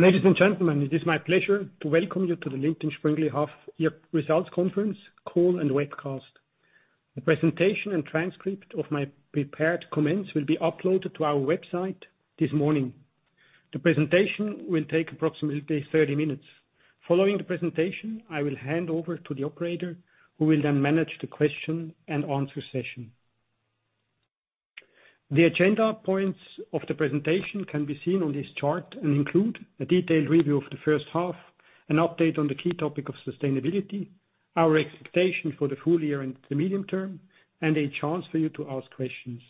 Ladies and gentlemen, it is my pleasure to welcome you to the Lindt & Sprüngli half year results conference call and webcast. The presentation and transcript of my prepared comments will be uploaded to our website this morning. The presentation will take approximately 30 minutes. Following the presentation, I will hand over to the operator, who will then manage the question and answer session. The agenda points of the presentation can be seen on this chart, and include a detailed review of the first half, an update on the key topic of sustainability, our expectation for the full year and the medium term, and a chance for you to ask questions.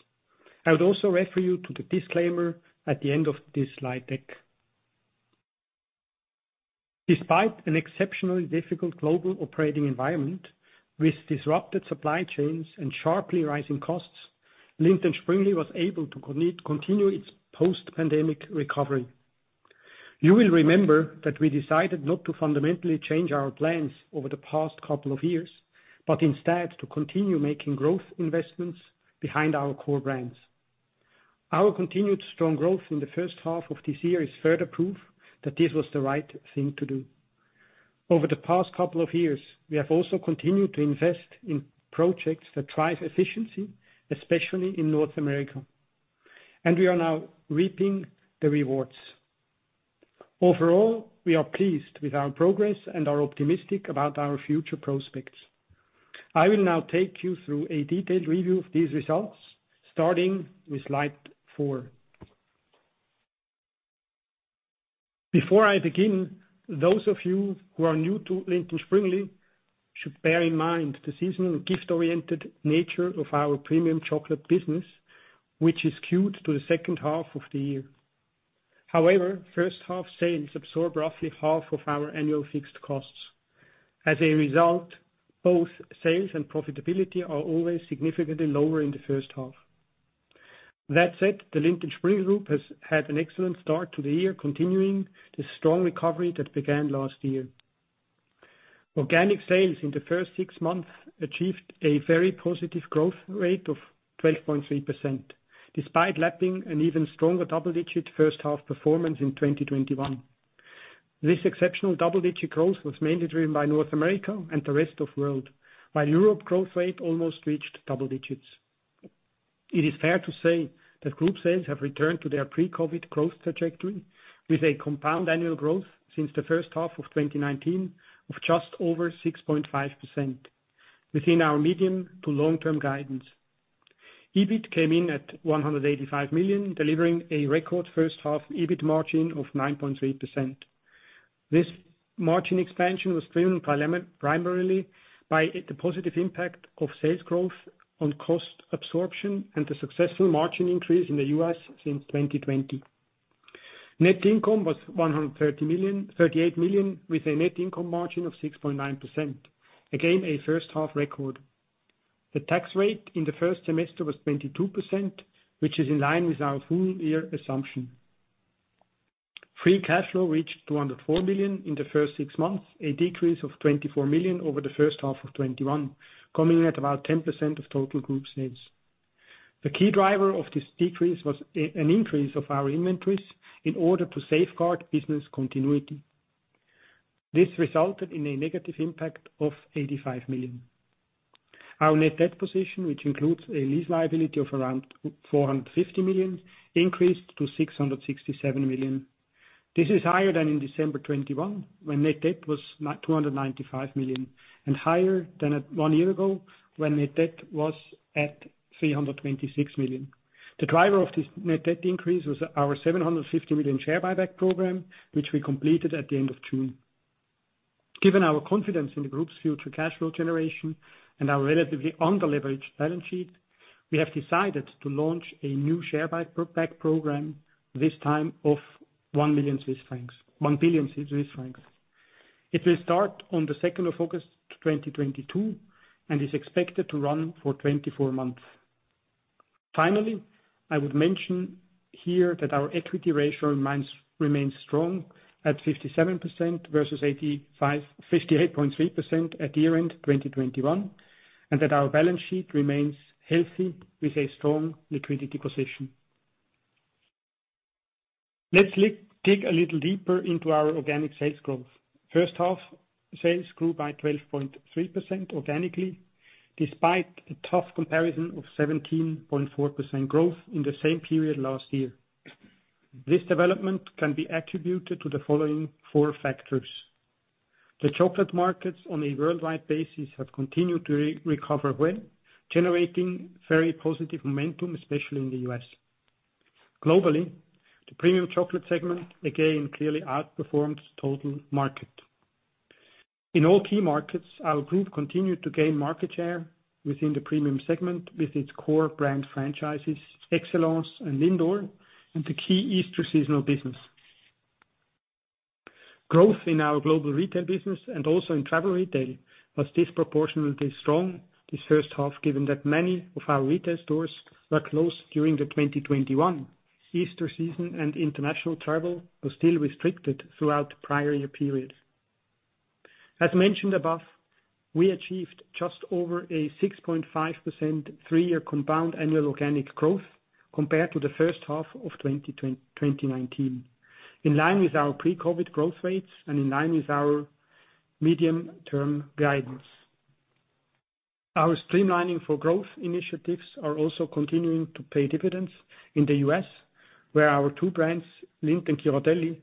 I would also refer you to the disclaimer at the end of this slide deck. Despite an exceptionally difficult global operating environment with disrupted supply chains and sharply rising costs, Lindt & Sprüngli was able to continue its post-pandemic recovery. You will remember that we decided not to fundamentally change our plans over the past couple of years, but instead to continue making growth investments behind our core brands. Our continued strong growth in the first half of this year is further proof that this was the right thing to do. Over the past couple of years, we have also continued to invest in projects that drive efficiency, especially in North America, and we are now reaping the rewards. Overall, we are pleased with our progress and are optimistic about our future prospects. I will now take you through a detailed review of these results, starting with slide four. Before I begin, those of you who are new to Lindt & Sprüngli should bear in mind the seasonal gift-oriented nature of our premium chocolate business, which is keyed to the second half of the year. However, first half sales absorb roughly half of our annual fixed costs. As a result, both sales and profitability are always significantly lower in the first half. That said, the Lindt & Sprüngli Group has had an excellent start to the year, continuing the strong recovery that began last year. Organic sales in the first six months achieved a very positive growth rate of 12.3%, despite lapping an even stronger double-digit first half performance in 2021. This exceptional double-digit growth was mainly driven by North America and the Rest of World, while Europe growth rate almost reached double digits. It is fair to say that group sales have returned to their pre-COVID growth trajectory with a compound annual growth since the first half of 2019 of just over 6.5%, within our medium- to long-term guidance. EBIT came in at 185 million, delivering a record first half EBIT margin of 9.3%. This margin expansion was driven primarily by the positive impact of sales growth on cost absorption and the successful margin increase in the U.S. Since 2020. Net income was 138 million, with a net income margin of 6.9%. Again, a first half record. The tax rate in the first semester was 22%, which is in line with our full year assumption. Free cash flow reached 204 million in the first six months, a decrease of 24 million over the first half of 2021, coming in at about 10% of total group sales. The key driver of this decrease was an increase of our inventories in order to safeguard business continuity. This resulted in a negative impact of 85 million. Our net debt position, which includes a lease liability of around 450 million, increased to 667 million. This is higher than in December 2021, when net debt was two hundred and ninety-five million, and higher than at one year ago when net debt was at 326 million. The driver of this net debt increase was our 750 million share buyback program, which we completed at the end of June. Given our confidence in the group's future cash flow generation and our relatively under-leveraged balance sheet, we have decided to launch a new share buy-back program, this time of 1 billion Swiss francs. It will start on the second of August 2022, and is expected to run for 24 months. Finally, I would mention here that our equity ratio remains strong at 57% versus 58.5, 58.3% at the year-end 2021, and that our balance sheet remains healthy with a strong liquidity position. Let's dig a little deeper into our organic sales growth. First half sales grew by 12.3% organically, despite a tough comparison of 17.4% growth in the same period last year. This development can be attributed to the following four factors. The chocolate markets on a worldwide basis have continued to recover well, generating very positive momentum, especially in the U.S. Globally, the premium chocolate segment, again, clearly outperformed total market. In all key markets, our group continued to gain market share within the premium segment with its core brand franchises, Excellence and Lindor, and the key Easter seasonal business. Growth in our global retail business and also in travel retail was disproportionately strong this first half, given that many of our retail stores were closed during the 2021 Easter season, and international travel was still restricted throughout the prior year period. As mentioned above, we achieved just over a 6.5% three-year compound annual organic growth compared to the first half of 2019. In line with our pre-COVID growth rates and in line with our medium-term guidance. Our Streamlining for Growth initiatives are also continuing to pay dividends in the U.S., where our two brands, Lindt and Ghirardelli,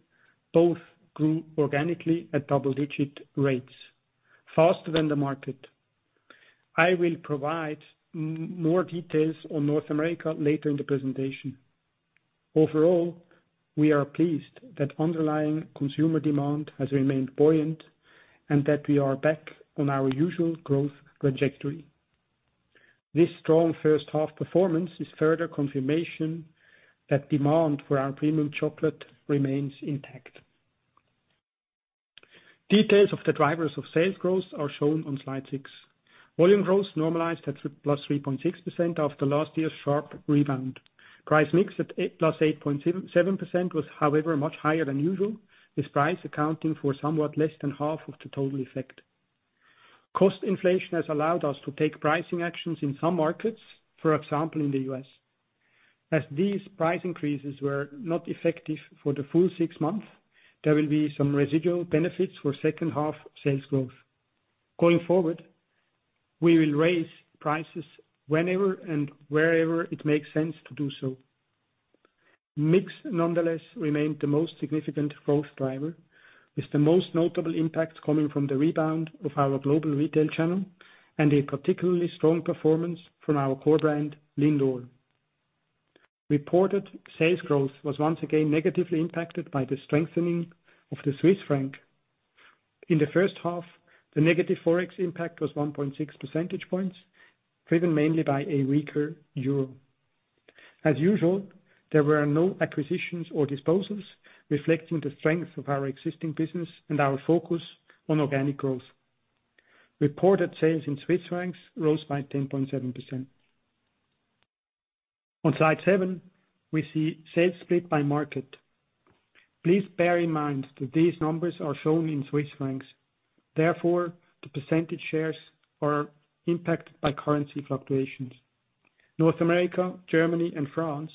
both grew organically at double-digit rates, faster than the market. I will provide more details on North America later in the presentation. Overall, we are pleased that underlying consumer demand has remained buoyant and that we are back on our usual growth trajectory. This strong first half performance is further confirmation that demand for our premium chocolate remains intact. Details of the drivers of sales growth are shown on slide six. Volume growth normalized at plus 3.6% after last year's sharp rebound. Price mix at plus 8.7% was, however, much higher than usual, with price accounting for somewhat less than half of the total effect. Cost inflation has allowed us to take pricing actions in some markets, for example, in the U.S. As these price increases were not effective for the full six months, there will be some residual benefits for second half sales growth. Going forward, we will raise prices whenever and wherever it makes sense to do so. Mix, nonetheless, remained the most significant growth driver, with the most notable impact coming from the rebound of our Global Retail channel and a particularly strong performance from our core brand, Lindor. Reported sales growth was once again negatively impacted by the strengthening of the Swiss franc. In the first half, the negative Forex impact was 1.6 percentage points, driven mainly by a weaker euro. As usual, there were no acquisitions or disposals, reflecting the strength of our existing business and our focus on organic growth. Reported sales in CHF rose by 10.7%. On slide seven, we see sales split by market. Please bear in mind that these numbers are shown in CHF, therefore the percentage shares are impacted by currency fluctuations. North America, Germany, and France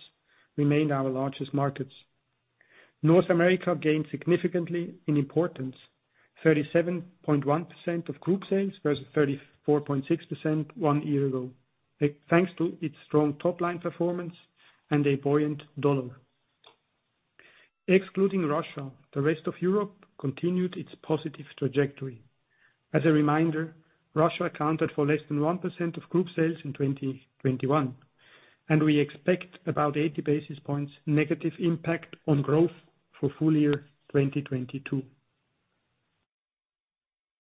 remain our largest markets. North America gained significantly in importance, 37.1% of group sales versus 34.6% one year ago, thanks to its strong top-line performance and a buoyant dollar. Excluding Russia, the rest of Europe continued its positive trajectory. As a reminder, Russia accounted for less than 1% of group sales in 2021, and we expect about 80 basis points negative impact on growth for full year 2022.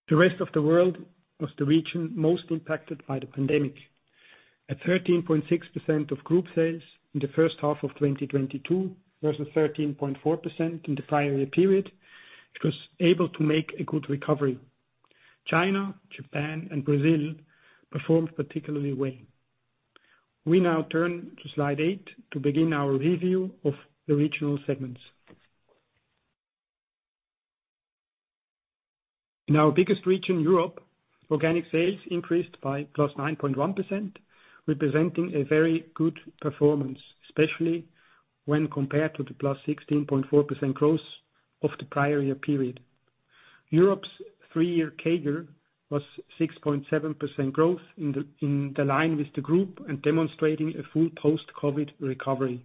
The rest of the world was the region most impacted by the pandemic. At 13.6% of group sales in the first half of 2022 versus 13.4% in the prior year period, it was able to make a good recovery. China, Japan, and Brazil performed particularly well. We now turn to slide 8 to begin our review of the regional segments. In our biggest region, Europe, organic sales increased by +9.1%, representing a very good performance, especially when compared to the +16.4% growth of the prior year period. Europe's three-year CAGR was 6.7% growth in the line with the group and demonstrating a full post-COVID recovery.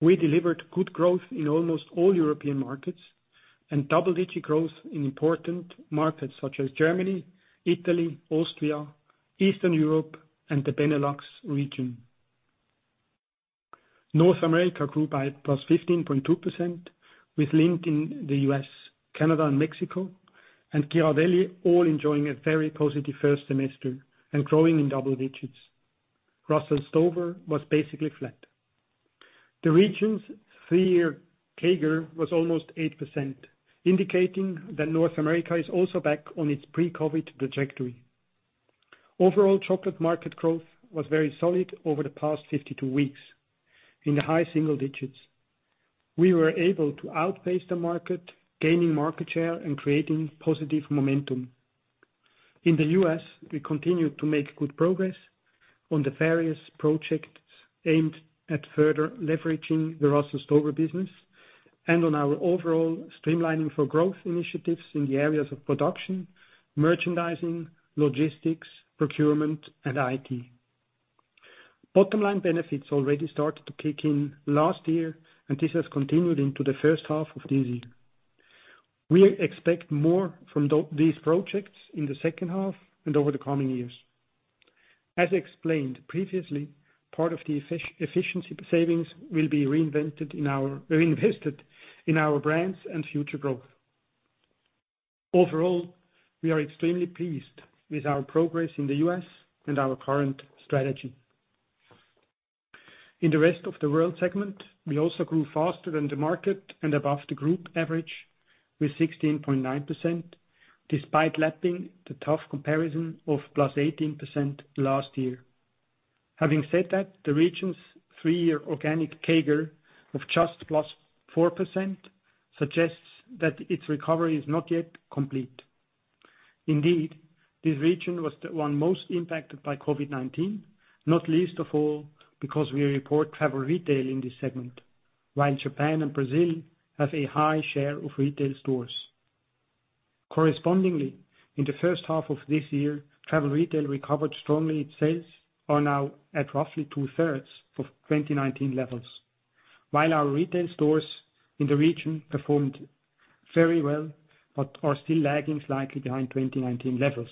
We delivered good growth in almost all European markets and double-digit growth in important markets such as Germany, Italy, Austria, Eastern Europe, and the Benelux region. North America grew by +15.2% with Lindt in the U.S., Canada and Mexico, and Ghirardelli all enjoying a very positive first semester and growing in double digits. Russell Stover was basically flat. The region's three-year CAGR was almost 8%, indicating that North America is also back on its pre-COVID trajectory. Overall, chocolate market growth was very solid over the past 52 weeks in the high single digits. We were able to outpace the market, gaining market share and creating positive momentum. In the US, we continued to make good progress on the various projects aimed at further leveraging the Russell Stover business and on our overall Streamlining for Growth initiatives in the areas of production, merchandising, logistics, procurement, and IT. Bottom line benefits already started to kick in last year, and this has continued into the first half of this year. We expect more from these projects in the second half and over the coming years. As explained previously, part of the efficiency savings will be reinvested in our brands and future growth. Overall, we are extremely pleased with our progress in the U.S. and our current strategy. In the rest of the world segment, we also grew faster than the market and above the group average with 16.9%, despite lapping the tough comparison of +18% last year. Having said that, the region's three-year organic CAGR of just +4% suggests that its recovery is not yet complete. Indeed, this region was the one most impacted by COVID-19, not least of all because we report travel retail in this segment, while Japan and Brazil have a high share of retail stores. Correspondingly, in the first half of this year, travel retail recovered strongly. Its sales are now at roughly two-thirds of 2019 levels. While our retail stores in the region performed very well, but are still lagging slightly behind 2019 levels.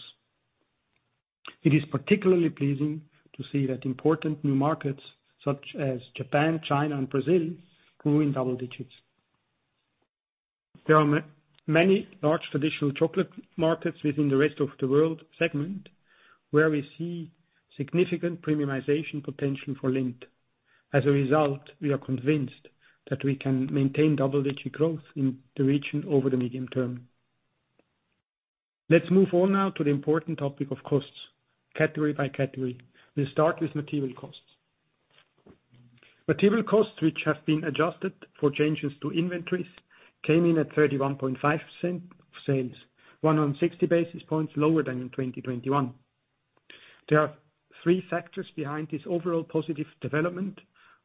It is particularly pleasing to see that important new markets such as Japan, China, and Brazil grew in double digits. There are many large traditional chocolate markets within the rest of the world segment, where we see significant premiumization potential for Lindt. As a result, we are convinced that we can maintain double-digit growth in the region over the medium term. Let's move on now to the important topic of costs, category by category. We'll start with material costs. Material costs, which have been adjusted for changes to inventories, came in at 31.5% of sales, 160 basis points lower than in 2021. There are three factors behind this overall positive development,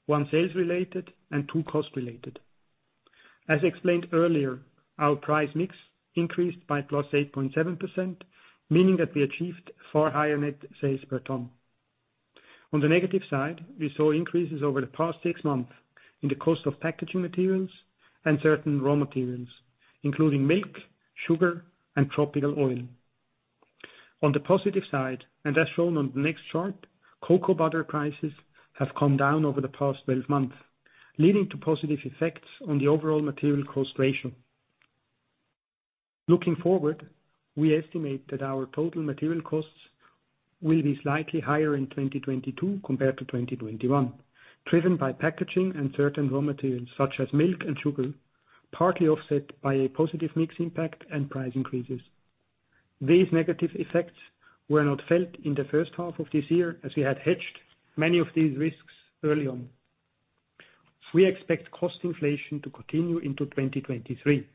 one sales-related and two cost-related. As explained earlier, our price mix increased by +8.7%, meaning that we achieved far higher net sales per ton. On the negative side, we saw increases over the past six months in the cost of packaging materials and certain raw materials, including milk, sugar, and tropical oil. On the positive side, and as shown on the next chart, cocoa butter prices have come down over the past twelve months, leading to positive effects on the overall material cost ratio. Looking forward, we estimate that our total material costs will be slightly higher in 2022 compared to 2021, driven by packaging and certain raw materials such as milk and sugar, partly offset by a positive mix impact and price increases. These negative effects were not felt in the first half of this year, as we had hedged many of these risks early on. We expect cost inflation to continue into 2023.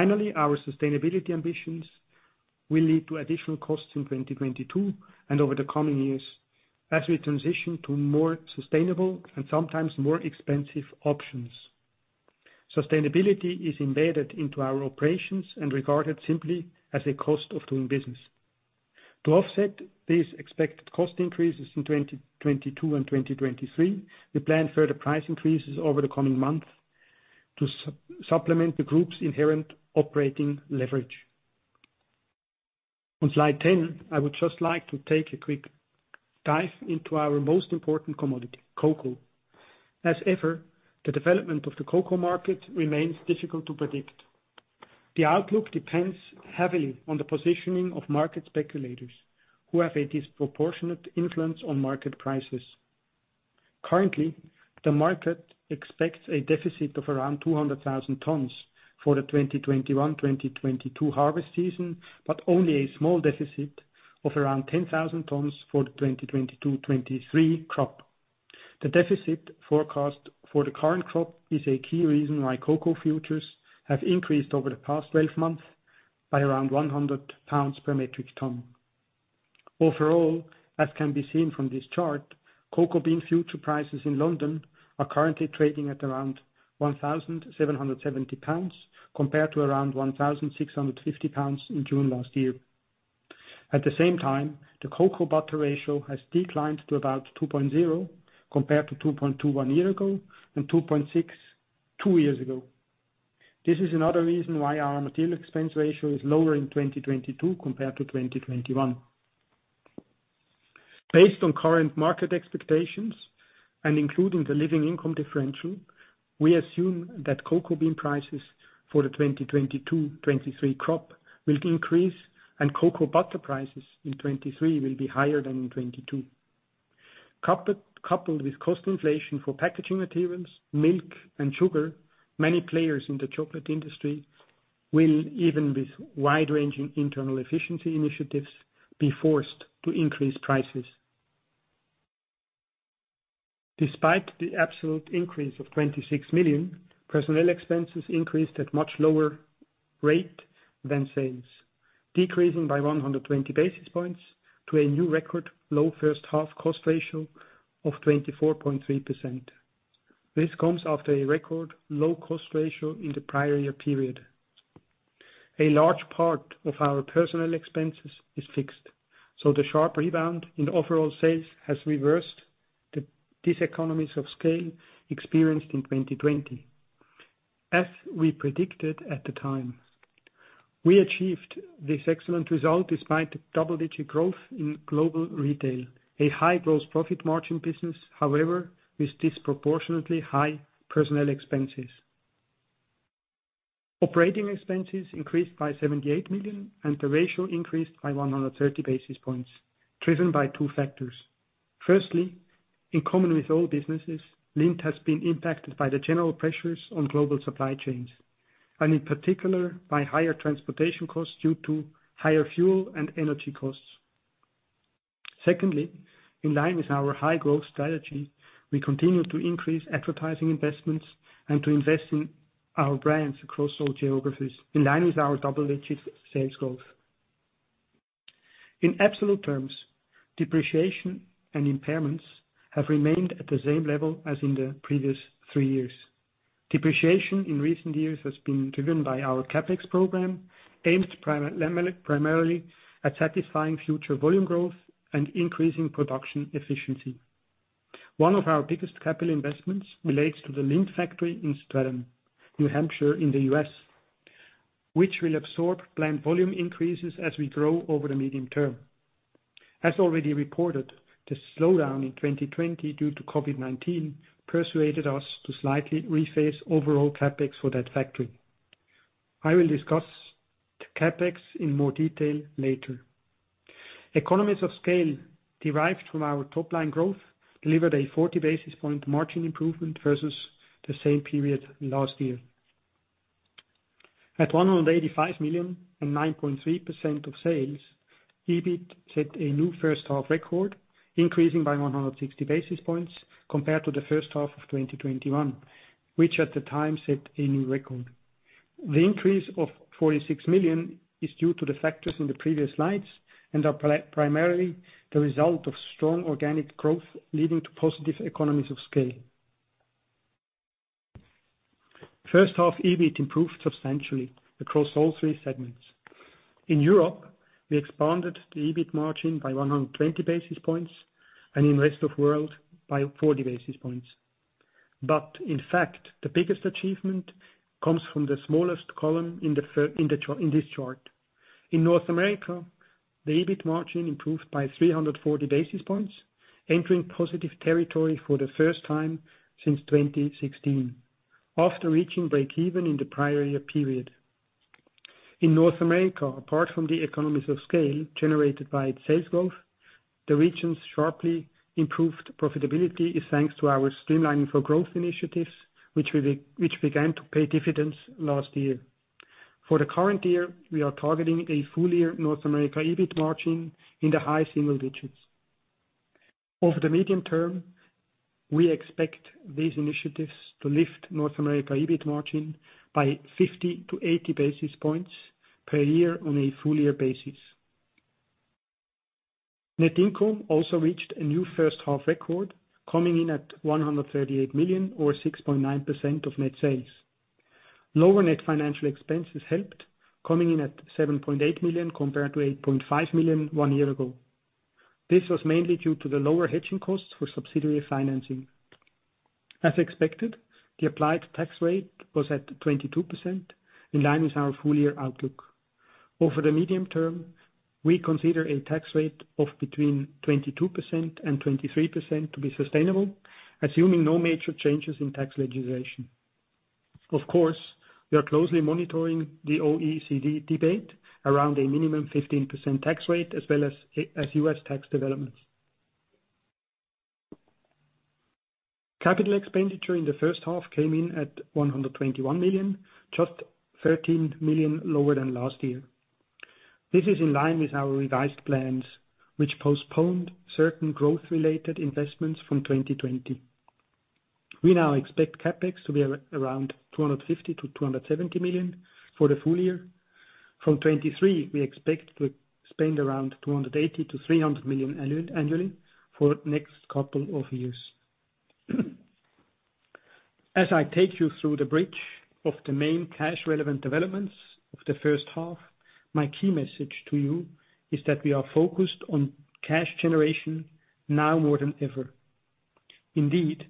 Finally, our sustainability ambitions will lead to additional costs in 2022 and over the coming years as we transition to more sustainable and sometimes more expensive options. Sustainability is embedded into our operations and regarded simply as a cost of doing business. To offset these expected cost increases in 2022 and 2023, we plan further price increases over the coming months to supplement the group's inherent operating leverage. On slide 10, I would just like to take a quick dive into our most important commodity: cocoa. As ever, the development of the cocoa market remains difficult to predict. The outlook depends heavily on the positioning of market speculators who have a disproportionate influence on market prices. Currently, the market expects a deficit of around 200,000 tons for the 2021/2022 harvest season, but only a small deficit of around 10,000 tons for the 2022/2023 crop. The deficit forecast for the current crop is a key reason why cocoa futures have increased over the past 12 months by around 100 pounds per metric ton. Overall, as can be seen from this chart, cocoa bean future prices in London are currently trading at around 1,770 pounds, compared to around 1,650 pounds in June last year. At the same time, the cocoa butter ratio has declined to about 2.0, compared to 2.2 one year ago and 2.6 two years ago. This is another reason why our material expense ratio is lower in 2022 compared to 2021. Based on current market expectations and including the Living Income Differential, we assume that cocoa bean prices for the 2022/2023 crop will increase, and cocoa butter prices in 2023 will be higher than in 2022. Coupled with cost inflation for packaging materials, milk and sugar, many players in the chocolate industry will, even with wide-ranging internal efficiency initiatives, be forced to increase prices. Despite the absolute increase of 26 million, personnel expenses increased at much lower rate than sales, decreasing by 120 basis points to a new record low first half cost ratio of 24.3%. This comes after a record low cost ratio in the prior year period. A large part of our personnel expenses is fixed, so the sharp rebound in overall sales has reversed the diseconomies of scale experienced in 2020, as we predicted at the time. We achieved this excellent result despite the double-digit growth in Global Retail. A high gross profit margin business, however, with disproportionately high personnel expenses. Operating expenses increased by 78 million, and the ratio increased by 130 basis points, driven by two factors. Firstly, in common with all businesses, Lindt has been impacted by the general pressures on global supply chains. In particular, by higher transportation costs due to higher fuel and energy costs. Secondly, in line with our high-growth strategy, we continue to increase advertising investments and to invest in our brands across all geographies, in line with our double-digit sales growth. In absolute terms, depreciation and impairments have remained at the same level as in the previous three years. Depreciation in recent years has been driven by our CapEx program, aimed primarily at satisfying future volume growth and increasing production efficiency. One of our biggest capital investments relates to the Lindt factory in Stratham, New Hampshire, in the U.S., which will absorb plant volume increases as we grow over the medium term. As already reported, the slowdown in 2020 due to COVID-19 persuaded us to slightly rephase overall CapEx for that factory. I will discuss the CapEx in more detail later. Economies of scale derived from our top-line growth delivered a 40 basis point margin improvement versus the same period last year. At 185 million and 9.3% of sales, EBIT set a new first half record, increasing by 160 basis points compared to the first half of 2021, which at the time set a new record. The increase of 46 million is due to the factors in the previous slides and are primarily the result of strong organic growth, leading to positive economies of scale. First half EBIT improved substantially across all three segments. In Europe, we expanded the EBIT margin by 120 basis points, and in rest of world by 40 basis points. In fact, the biggest achievement comes from the smallest column in this chart. In North America, the EBIT margin improved by 340 basis points, entering positive territory for the first time since 2016, after reaching break-even in the prior year period. In North America, apart from the economies of scale generated by its sales growth, the region's sharply improved profitability is thanks to our Streamlining for Growth initiatives, which began to pay dividends last year. For the current year, we are targeting a full-year North America EBIT margin in the high single digits. Over the medium term, we expect these initiatives to lift North America EBIT margin by 50-80 basis points per year on a full-year basis. Net income also reached a new first half record, coming in at 138 million or 6.9% of net sales. Lower net financial expenses helped, coming in at 7.8 million compared to 8.5 million one year ago. This was mainly due to the lower hedging costs for subsidiary financing. As expected, the applied tax rate was at 22%, in line with our full-year outlook. Over the medium term, we consider a tax rate of between 22% and 23% to be sustainable, assuming no major changes in tax legislation. Of course, we are closely monitoring the OECD debate around a minimum 15% tax rate, as well as U.S. tax developments. Capital expenditure in the first half came in at 121 million, just 13 million lower than last year. This is in line with our revised plans, which postponed certain growth-related investments from 2020. We now expect CapEx to be around 250-270 million for the full year. From 2023, we expect to spend around 280 million-300 million annually for next couple of years. I take you through the bridge of the main cash-relevant developments of the first half, my key message to you is that we are focused on cash generation now more than ever. Indeed,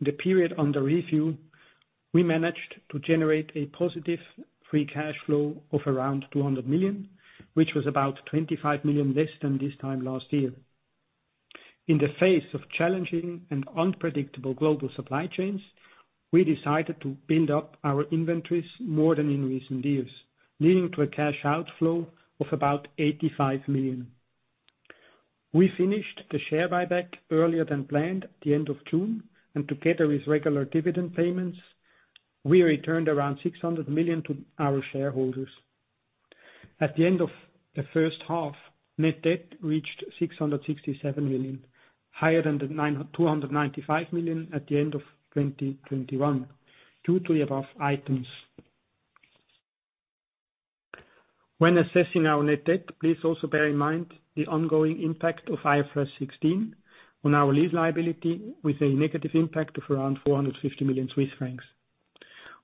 the period under review, we managed to generate a positive free cash flow of around 200 million, which was about 25 million less than this time last year. In the face of challenging and unpredictable global supply chains, we decided to build up our inventories more than in recent years, leading to a cash outflow of about 85 million. We finished the share buyback earlier than planned at the end of June, and together with regular dividend payments, we returned around 600 million to our shareholders. At the end of the first half, net debt reached 667 million, higher than the two hundred and ninety-five million at the end of 2021, due to the above items. When assessing our net debt, please also bear in mind the ongoing impact of IFRS 16 on our lease liability with a negative impact of around 450 million Swiss francs.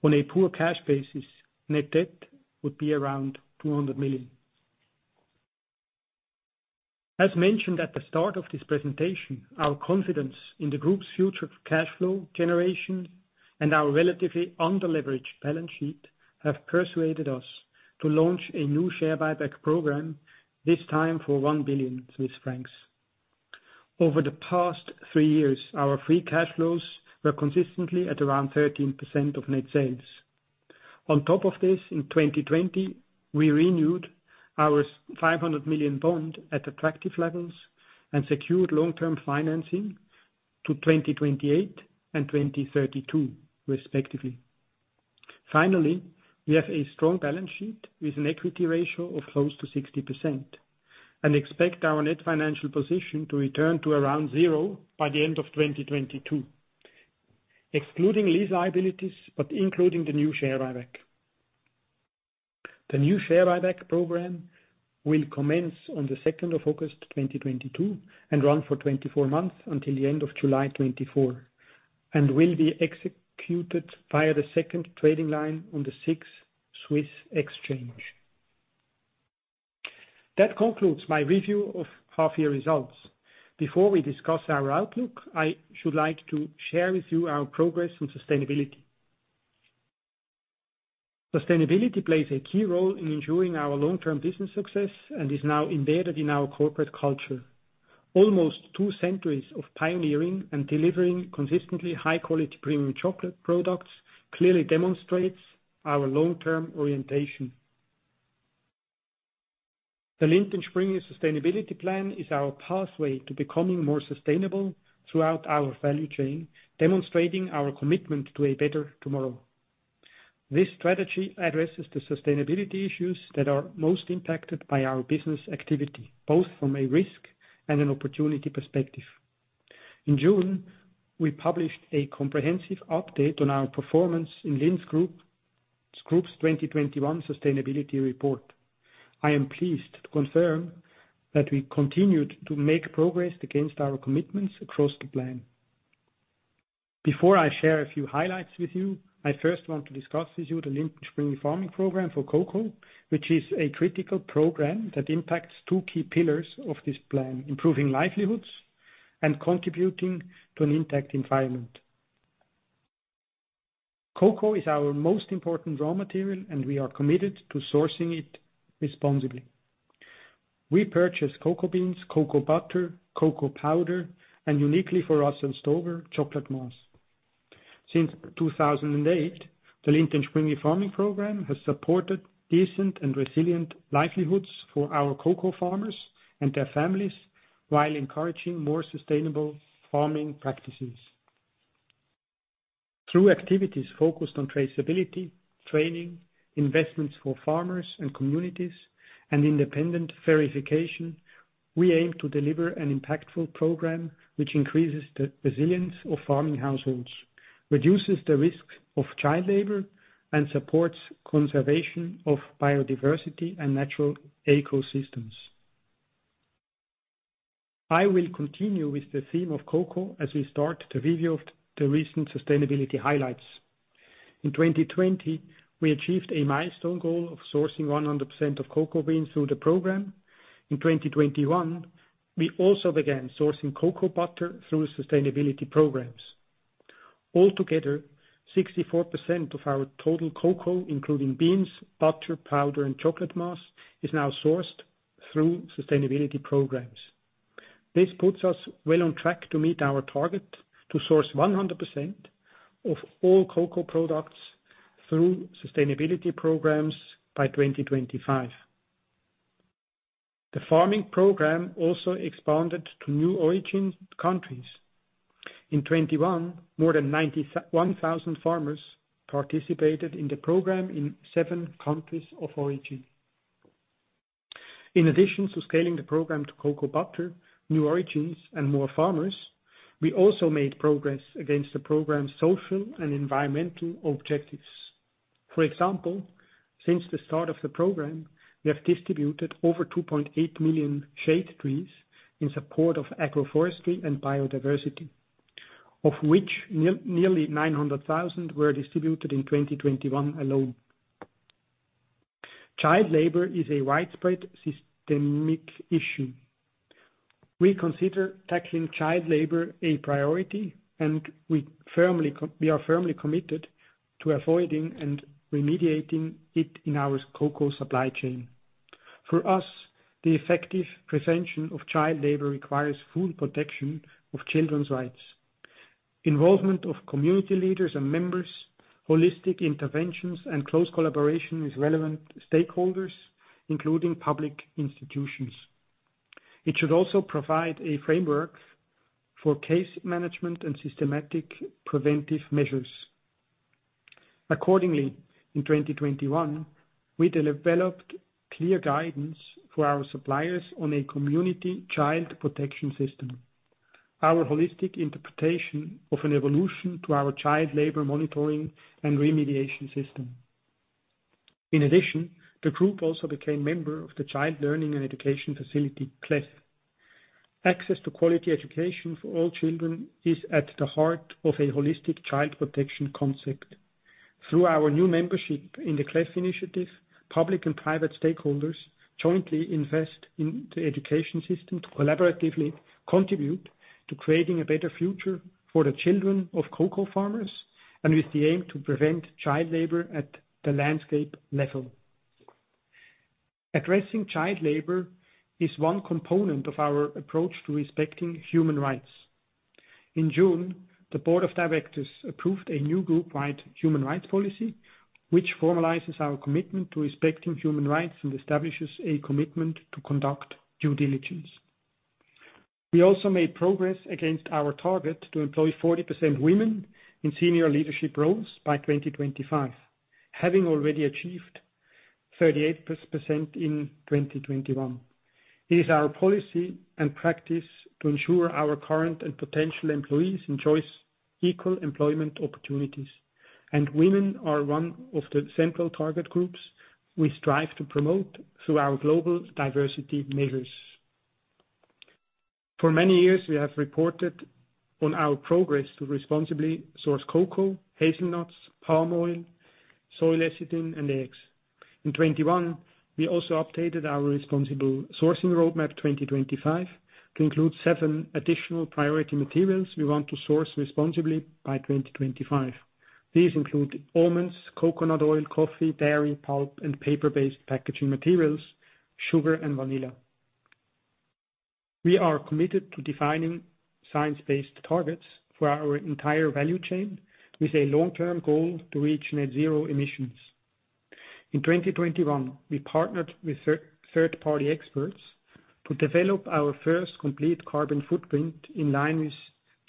On a core cash basis, net debt would be around 200 million. As mentioned at the start of this presentation, our confidence in the group's future cash flow generation and our relatively under-leveraged balance sheet have persuaded us to launch a new share buyback program, this time for 1 billion Swiss francs. Over the past three years, our free cash flows were consistently at around 13% of net sales. On top of this, in 2020, we renewed our 500 million bond at attractive levels and secured long-term financing to 2028 and 2032 respectively. We have a strong balance sheet with an equity ratio of close to 60% and expect our net financial position to return to around zero by the end of 2022, excluding lease liabilities, but including the new share buyback. The new share buyback program will commence on the second of August 2022 and run for 24 months until the end of July 2024 and will be executed via the second trading line on the SIX Swiss Exchange. That concludes my review of half-year results. Before we discuss our outlook, I should like to share with you our progress on sustainability. Sustainability plays a key role in ensuring our long-term business success and is now embedded in our corporate culture. Almost two centuries of pioneering and delivering consistently high quality premium chocolate products clearly demonstrates our long-term orientation. The Lindt & Sprüngli sustainability plan is our pathway to becoming more sustainable throughout our value chain, demonstrating our commitment to a better tomorrow. This strategy addresses the sustainability issues that are most impacted by our business activity, both from a risk and an opportunity perspective. In June, we published a comprehensive update on our performance in the Lindt & Sprüngli Group's 2021 sustainability report. I am pleased to confirm that we continued to make progress against our commitments across the plan. Before I share a few highlights with you, I first want to discuss with you the Lindt & Sprüngli Farming Program for cocoa, which is a critical program that impacts two key pillars of this plan, improving livelihoods and contributing to an intact environment. Cocoa is our most important raw material, and we are committed to sourcing it responsibly. We purchase cocoa beans, cocoa butter, cocoa powder, and uniquely for us in Russell Stover, chocolate mass. Since 2008, the Lindt & Sprüngli Farming Program has supported decent and resilient livelihoods for our cocoa farmers and their families while encouraging more sustainable farming practices. Through activities focused on traceability, training, investments for farmers and communities, and independent verification, we aim to deliver an impactful program which increases the resilience of farming households, reduces the risk of child labor, and supports conservation of biodiversity and natural ecosystems. I will continue with the theme of cocoa as we start the review of the recent sustainability highlights. In 2020, we achieved a milestone goal of sourcing 100% of cocoa beans through the program. In 2021, we also began sourcing cocoa butter through sustainability programs. Altogether, 64% of our total cocoa, including beans, butter, powder, and chocolate mass, is now sourced through sustainability programs. This puts us well on track to meet our target to source 100% of all cocoa products through sustainability programs by 2025. The farming program also expanded to new origin countries. In 2021, more than 91,000 farmers participated in the program in seven countries of origin. In addition to scaling the program to cocoa butter, new origins and more farmers, we also made progress against the program's social and environmental objectives. For example, since the start of the program, we have distributed over 2.8 million shade trees in support of agroforestry and biodiversity, of which nearly 900,000 were distributed in 2021 alone. Child labor is a widespread systemic issue. We consider tackling child labor a priority, and we are firmly committed to avoiding and remediating it in our cocoa supply chain. For us, the effective prevention of child labor requires full protection of children's rights, involvement of community leaders and members, holistic interventions, and close collaboration with relevant stakeholders, including public institutions. It should also provide a framework for case management and systematic preventive measures. Accordingly, in 2021, we developed clear guidance for our suppliers on a community child protection system. Our holistic interpretation of an evolution to our Child Labor Monitoring and Remediation System. In addition, the group also became a member of the Child Learning and Education Facility, CLEF. Access to quality education for all children is at the heart of a holistic child protection concept. Through our new membership in the CLEF initiative, public and private stakeholders jointly invest in the education system to collaboratively contribute to creating a better future for the children of cocoa farmers and with the aim to prevent child labor at the landscape level. Addressing child labor is one component of our approach to respecting human rights. In June, the board of directors approved a new group-wide human rights policy, which formalizes our commitment to respecting human rights and establishes a commitment to conduct due diligence. We also made progress against our target to employ 40% women in senior leadership roles by 2025, having already achieved 38% in 2021. It is our policy and practice to ensure our current and potential employees enjoy equal employment opportunities, and women are one of the central target groups we strive to promote through our global diversity measures. For many years, we have reported on our progress to responsibly source cocoa, hazelnuts, palm oil, soy lecithin, and eggs. In 2021, we also updated our responsible sourcing roadmap 2025 to include seven additional priority materials we want to source responsibly by 2025. These include almonds, coconut oil, coffee, dairy, pulp and paper-based packaging materials, sugar and vanilla. We are committed to defining science-based targets for our entire value chain with a long-term goal to reach net zero emissions. In 2021, we partnered with third-party experts to develop our first complete carbon footprint in line with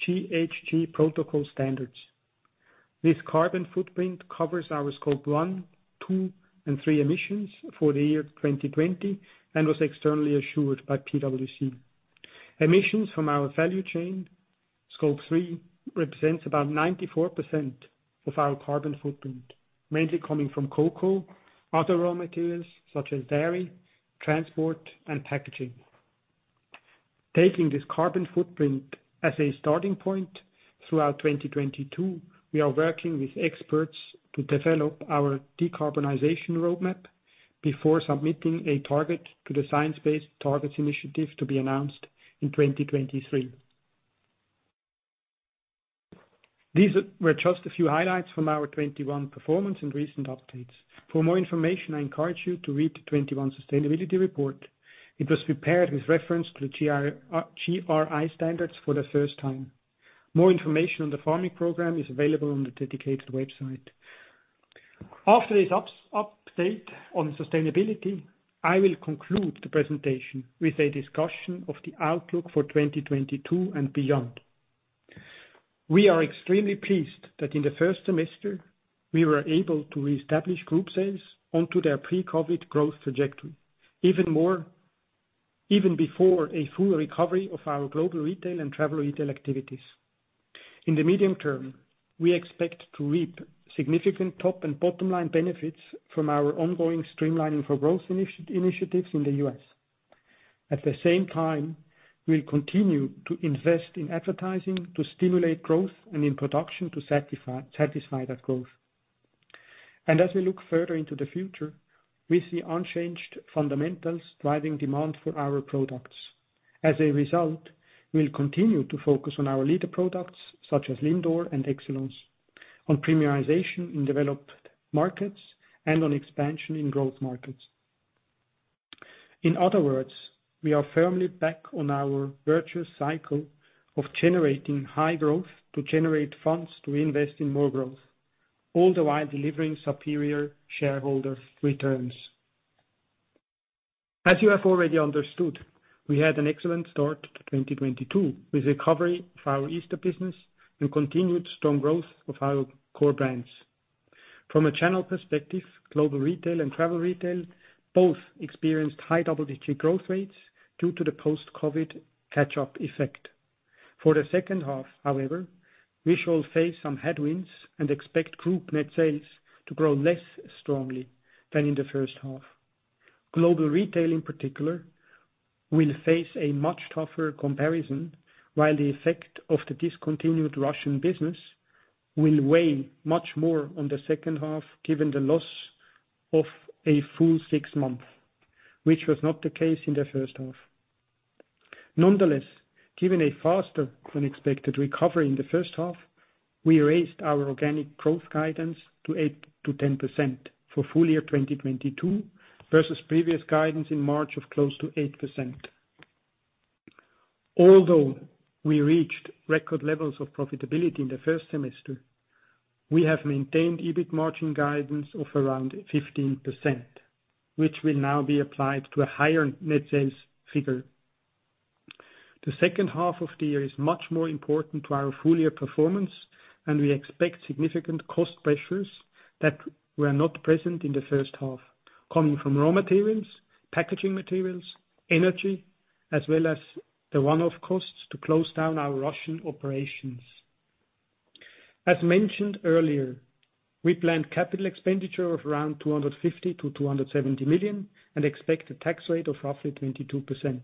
GHG Protocol standards. This carbon footprint covers our Scope 1, 2, and 3 emissions for the year 2020, and was externally assured by PwC. Emissions from our value chain, Scope 3, represents about 94% of our carbon footprint, mainly coming from cocoa, other raw materials such as dairy, transport and packaging. Taking this carbon footprint as a starting point, throughout 2022, we are working with experts to develop our decarbonization roadmap before submitting a target to the Science Based Targets initiative to be announced in 2023. These were just a few highlights from our 2021 performance and recent updates. For more information, I encourage you to read the 2021 sustainability report. It was prepared with reference to the GRI standards for the first time. More information on the farming program is available on the dedicated website. After this update on sustainability, I will conclude the presentation with a discussion of the outlook for 2022 and beyond. We are extremely pleased that in the first semester we were able to reestablish group sales onto their pre-COVID growth trajectory. Even more, even before a full recovery of our global retail and travel retail activities. In the medium term, we expect to reap significant top and bottom line benefits from our ongoing Streamlining for Growth initiatives in the U.S. At the same time, we'll continue to invest in advertising to stimulate growth and in production to satisfy that growth. As we look further into the future, we see unchanged fundamentals driving demand for our products. As a result, we'll continue to focus on our leading products such as Lindor and Excellence, on premiumization in developed markets, and on expansion in growth markets. In other words, we are firmly back on our virtuous cycle of generating high growth to generate funds to invest in more growth, all the while delivering superior shareholder returns. As you have already understood, we had an excellent start to 2022 with recovery of our Easter business and continued strong growth of our core brands. From a channel perspective, Global Retail and travel retail both experienced high double-digit growth rates due to the post-COVID catch-up effect. For the second half, however, we shall face some headwinds and expect group net sales to grow less strongly than in the first half. Global Retail in particular will face a much tougher comparison, while the effect of the discontinued Russian business will weigh much more on the second half, given the loss of a full six months, which was not the case in the first half. Nonetheless, given a faster than expected recovery in the first half, we raised our organic growth guidance to 8%-10% for full year 2022 versus previous guidance in March of close to 8%. Although we reached record levels of profitability in the first semester, we have maintained EBIT margin guidance of around 15%, which will now be applied to a higher net sales figure. The second half of the year is much more important to our full year performance, and we expect significant cost pressures that were not present in the first half, coming from raw materials, packaging materials, energy, as well as the one-off costs to close down our Russian operations. As mentioned earlier, we planned capital expenditure of around 250-270 million and expect a tax rate of roughly 22%.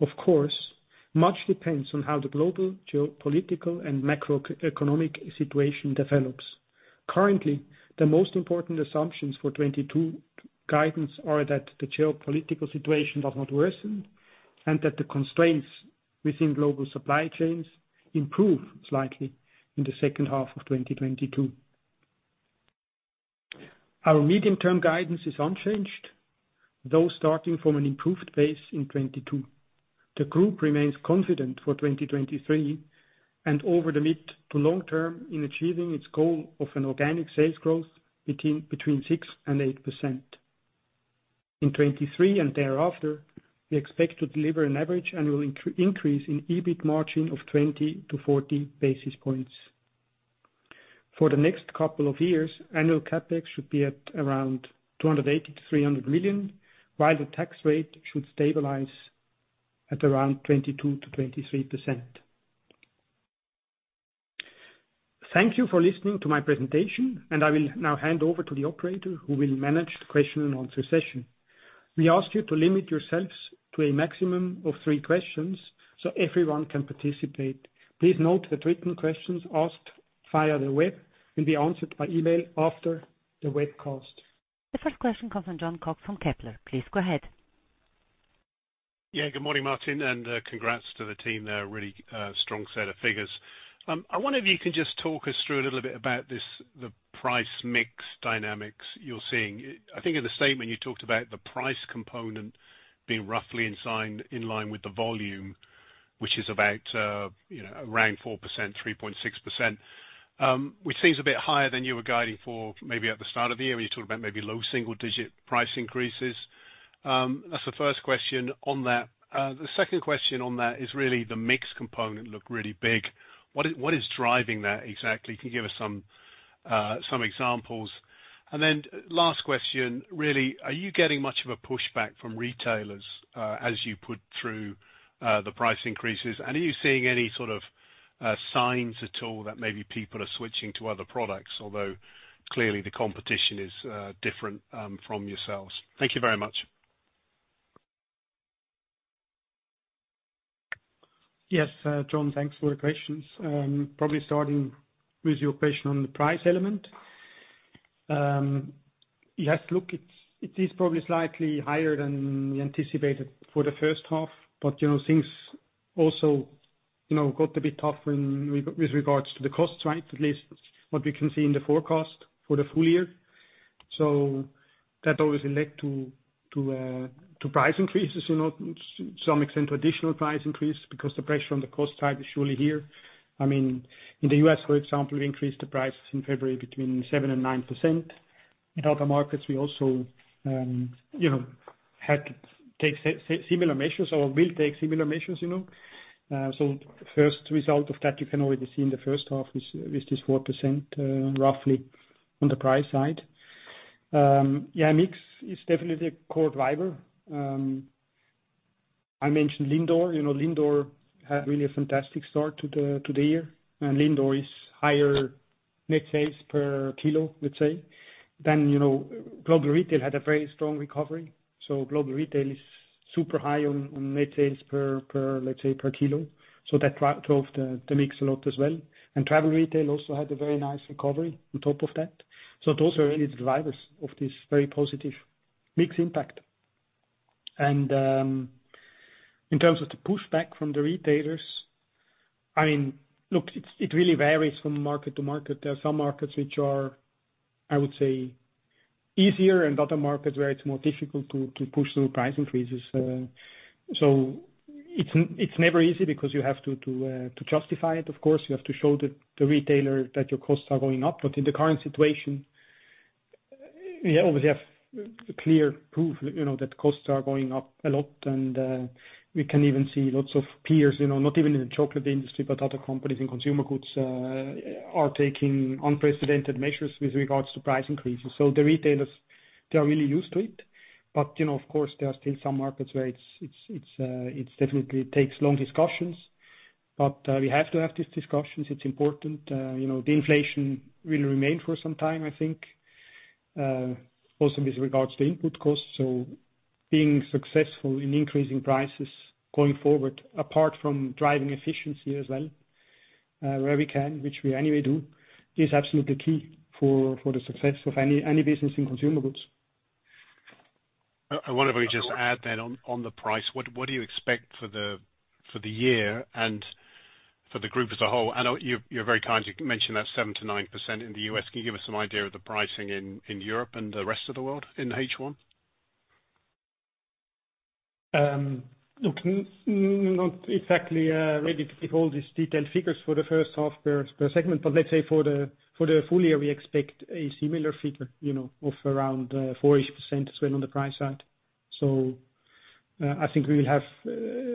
Of course, much depends on how the global geopolitical and macroeconomic situation develops. Currently, the most important assumptions for 2022 guidance are that the geopolitical situation does not worsen and that the constraints within global supply chains improve slightly in the second half of 2022. Our medium-term guidance is unchanged, though starting from an improved base in 2022. The group remains confident for 2023 and over the mid to long term in achieving its goal of an organic sales growth between 6% and 8%. In 2023 and thereafter, we expect to deliver an average annual increase in EBIT margin of 20 to 40 basis points. For the next couple of years, annual CapEx should be at around 280 million-300 million, while the tax rate should stabilize at around 22%-23%. Thank you for listening to my presentation, and I will now hand over to the operator, who will manage the question and answer session. We ask you to limit yourselves to a maximum of three questions so everyone can participate. Please note that written questions asked via the web will be answered by email after the webcast. The first question comes from Jon Cox from Kepler Cheuvreux. Please go ahead. Yeah, good morning, Martin, congrats to the team there, a really strong set of figures. I wonder if you can just talk us through a little bit about this, the price mix dynamics you're seeing. I think in the statement, you talked about the price component being roughly in line with the volume, which is about around 4%, 3.6%, which seems a bit higher than you were guiding for maybe at the start of the year, when you talked about maybe low single digit price increases. That's the first question on that. The second question on that is really the mix component looked really big. What is driving that exactly? Can you give us some examples? Last question, really, are you getting much of a pushback from retailers, as you put through the price increases? Are you seeing any sort of signs at all that maybe people are switching to other products, although clearly the competition is different from yourselves? Thank you very much. Yes, Jon, thanks for the questions. Probably starting with your question on the price element. Yes, look, it is probably slightly higher than we anticipated for the first half. You know, things also got a bit tougher in regards to the costs, right? At least what we can see in the forecast for the full year. That always led to price increases, you know, to some extent additional price increase because the pressure on the cost side is surely here. I mean, in the U.S., for example, we increased the prices in February between 7% and 9%. In other markets, we also had to take similar measures or will take similar measures, you know. First result of that, you can already see in the first half is this 4%, roughly on the price side. Yeah, mix is definitely a core driver. I mentioned Lindor. You know, Lindor had really a fantastic start to the year. Lindor is higher net sales per kilo, let's say. Then you know, Global Retail had a very strong recovery. Global Retail is super high on net sales per, let's say, per kilo. That drove the mix a lot as well. Travel retail also had a very nice recovery on top of that. Those are really the drivers of this very positive mix impact. In terms of the pushback from the retailers, I mean, look, it really varies from market to market. There are some markets which are, I would say, easier and other markets where it's more difficult to push through price increases. It's never easy because you have to justify it, of course. You have to show the retailer that your costs are going up. In the current situation, we obviously have clear proof, you know, that costs are going up a lot. We can even see lots of peers, you know, not even in the chocolate industry, but other companies in consumer goods are taking unprecedented measures with regards to price increases. The retailers, they are really used to it. You know, of course, there are still some markets where it's definitely takes long discussions. We have to have these discussions. It's important. You know, the inflation will remain for some time, I think, also with regards to input costs. Being successful in increasing prices going forward, apart from driving efficiency as well, where we can, which we anyway do, is absolutely key for the success of any business in consumer goods. I wonder if we just add them on the price, what do you expect for the year and for the group as a whole? I know you're very kind to mention that 7%-9% in the US. Can you give us some idea of the pricing in Europe and the rest of the world in the H1? Look, not exactly ready to give all these detailed figures for the first half per segment, but let's say for the full year, we expect a similar figure, you know, of around 4-ish% as well on the price side. I think we will have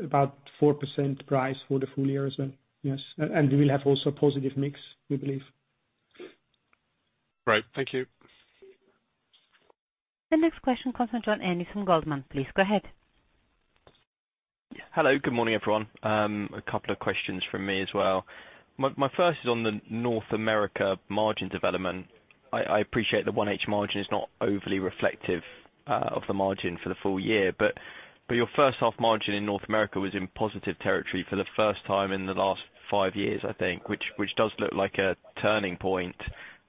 about 4% price for the full year as well. Yes. We will have also positive mix, we believe. Great. Thank you. The next question comes from Joern Iffert from UBS. Please go ahead. Hello. Good morning, everyone. A couple of questions from me as well. My first is on the North America margin development. I appreciate the 1H margin is not overly reflective of the margin for the full year, but your first half margin in North America was in positive territory for the first time in the last five years, I think, which does look like a turning point.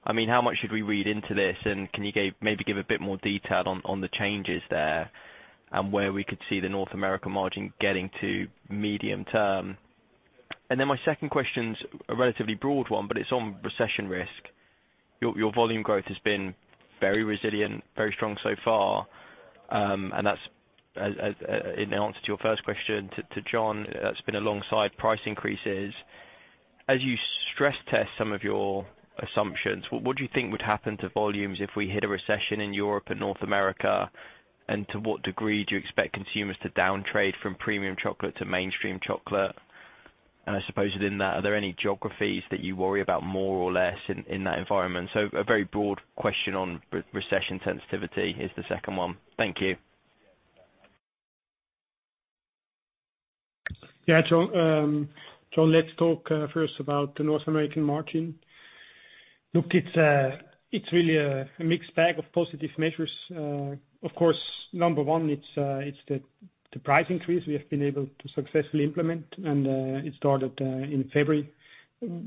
I mean, how much should we read into this? And can you give maybe a bit more detail on the changes there and where we could see the North America margin getting to medium term? And then my second question's a relatively broad one, but it's on recession risk. Your volume growth has been very resilient, very strong so far. That's as in answer to your first question to John, that's been alongside price increases. As you stress test some of your assumptions, what do you think would happen to volumes if we hit a recession in Europe and North America? And to what degree do you expect consumers to down trade from premium chocolate to mainstream chocolate? And I suppose within that, are there any geographies that you worry about more or less in that environment? A very broad question on recession sensitivity is the second one. Thank you. Yeah. Joern, let's talk first about the North American margin. Look, it's really a mixed bag of positive measures. Of course, number one, it's the price increase we have been able to successfully implement. It started in February.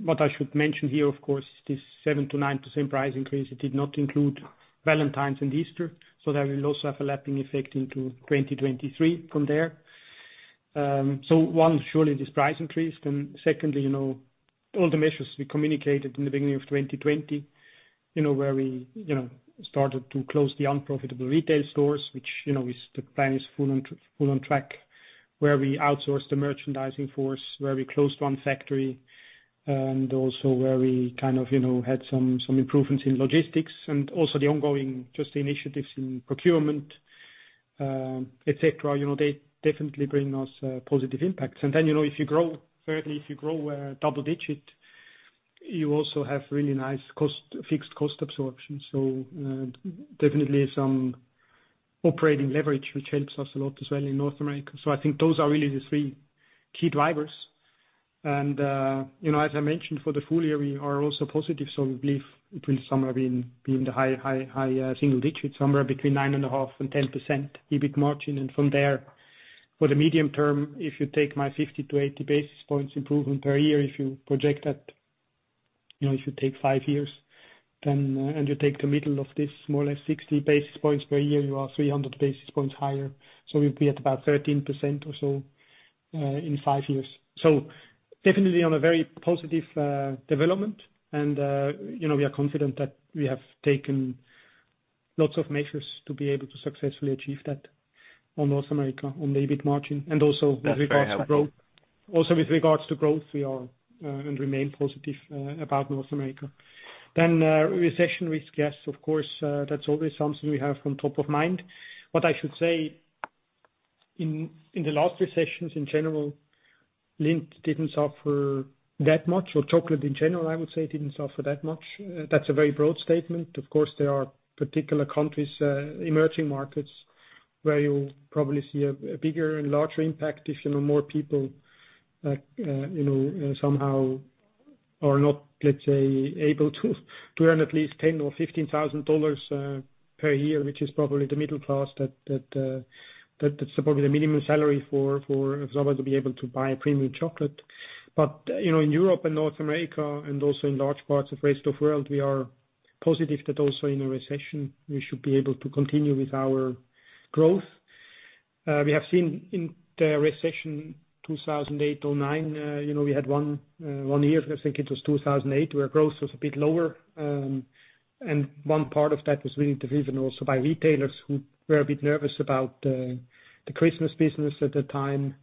What I should mention here, of course, this 7%-9% price increase, it did not include Valentine's and Easter, so that will also have a lapping effect into 2023 from there. One, surely this price increase. Secondly, you know, all the measures we communicated in the beginning of 2020, you know, where we, you know, started to close the unprofitable retail stores. Which, you know, is the plan is full on track. Where we outsourced the merchandising force, where we closed one factory, and also where we kind of, you know, had some improvements in logistics and also the ongoing, just the initiatives in procurement, etc. You know, they definitely bring us positive impacts. You know, if you grow, thirdly, if you grow double-digit, you also have really nice fixed-cost absorption. Definitely some operating leverage, which helps us a lot as well in North America. I think those are really the three key drivers. You know, as I mentioned for the full year, we are also positive, so we believe it will somewhere be in the high single digits, somewhere between 9.5% and 10% EBIT margin. From there, for the medium term, if you take my 50-80 basis points improvement per year, if you project that, you know, if you take five years, then and you take the middle of this more or less 60 basis points per year, you are 300 basis points higher. We'll be at about 13% or so in five years. Definitely on a very positive development. You know, we are confident that we have taken lots of measures to be able to successfully achieve that on North America, on the EBIT margin. Also with regards to growth- That's very helpful. With regards to growth, we are and remain positive about North America. Recession risk, yes, of course, that's always something we have on top of mind. What I should say, in the last recessions in general, Lindt didn't suffer that much, or chocolate in general, I would say, didn't suffer that much. That's a very broad statement. Of course, there are particular countries, emerging markets where you probably see a bigger and larger impact if, you know, more people, you know, somehow are not, let's say, able to earn at least $10,000-$15,000 per year, which is probably the middle class that that's probably the minimum salary for someone to be able to buy a premium chocolate. You know, in Europe and North America and also in large parts of rest of world, we are positive that also in a recession we should be able to continue with our growth. We have seen in the recession 2008 till 2009, you know, we had one year, I think it was 2008, where growth was a bit lower. One part of that was really driven also by retailers who were a bit nervous about the Christmas business at that time,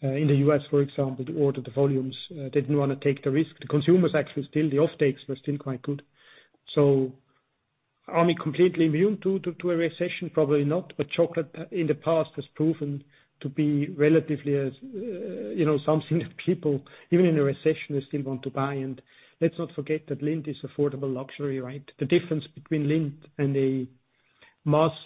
in the U.S., for example, to order the volumes, didn't wanna take the risk. The consumers actually still, the offtakes were still quite good. Are we completely immune to a recession? Probably not. Chocolate in the past has proven to be relatively as, you know, something that people even in a recession will still want to buy. Let's not forget that Lindt is affordable luxury, right? The difference between Lindt and a mass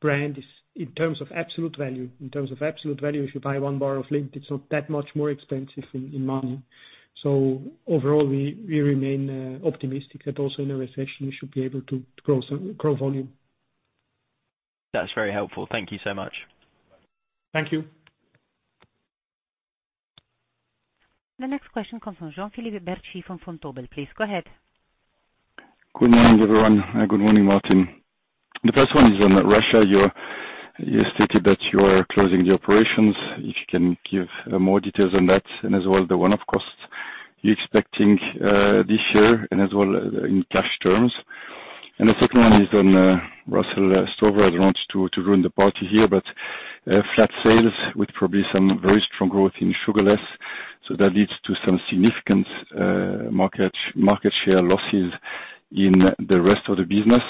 brand is in terms of absolute value. In terms of absolute value, if you buy one bar of Lindt, it's not that much more expensive in money. Overall, we remain optimistic that also in a recession we should able to grow volume. That's very helpful. Thank you so much. Thank you. The next question comes from Jean-Philippe Bertschy from Vontobel. Please go ahead. Good morning, everyone. Good morning, Martin. The first one is on Russia. You stated that you are closing the operations. If you can give more details on that and as well the one-off costs you're expecting this year and as well in cash terms. The second one is on Russell Stover. I don't want to ruin the party here, but flat sales with probably some very strong growth in sugarless, so that leads to some significant market share losses in the rest of the business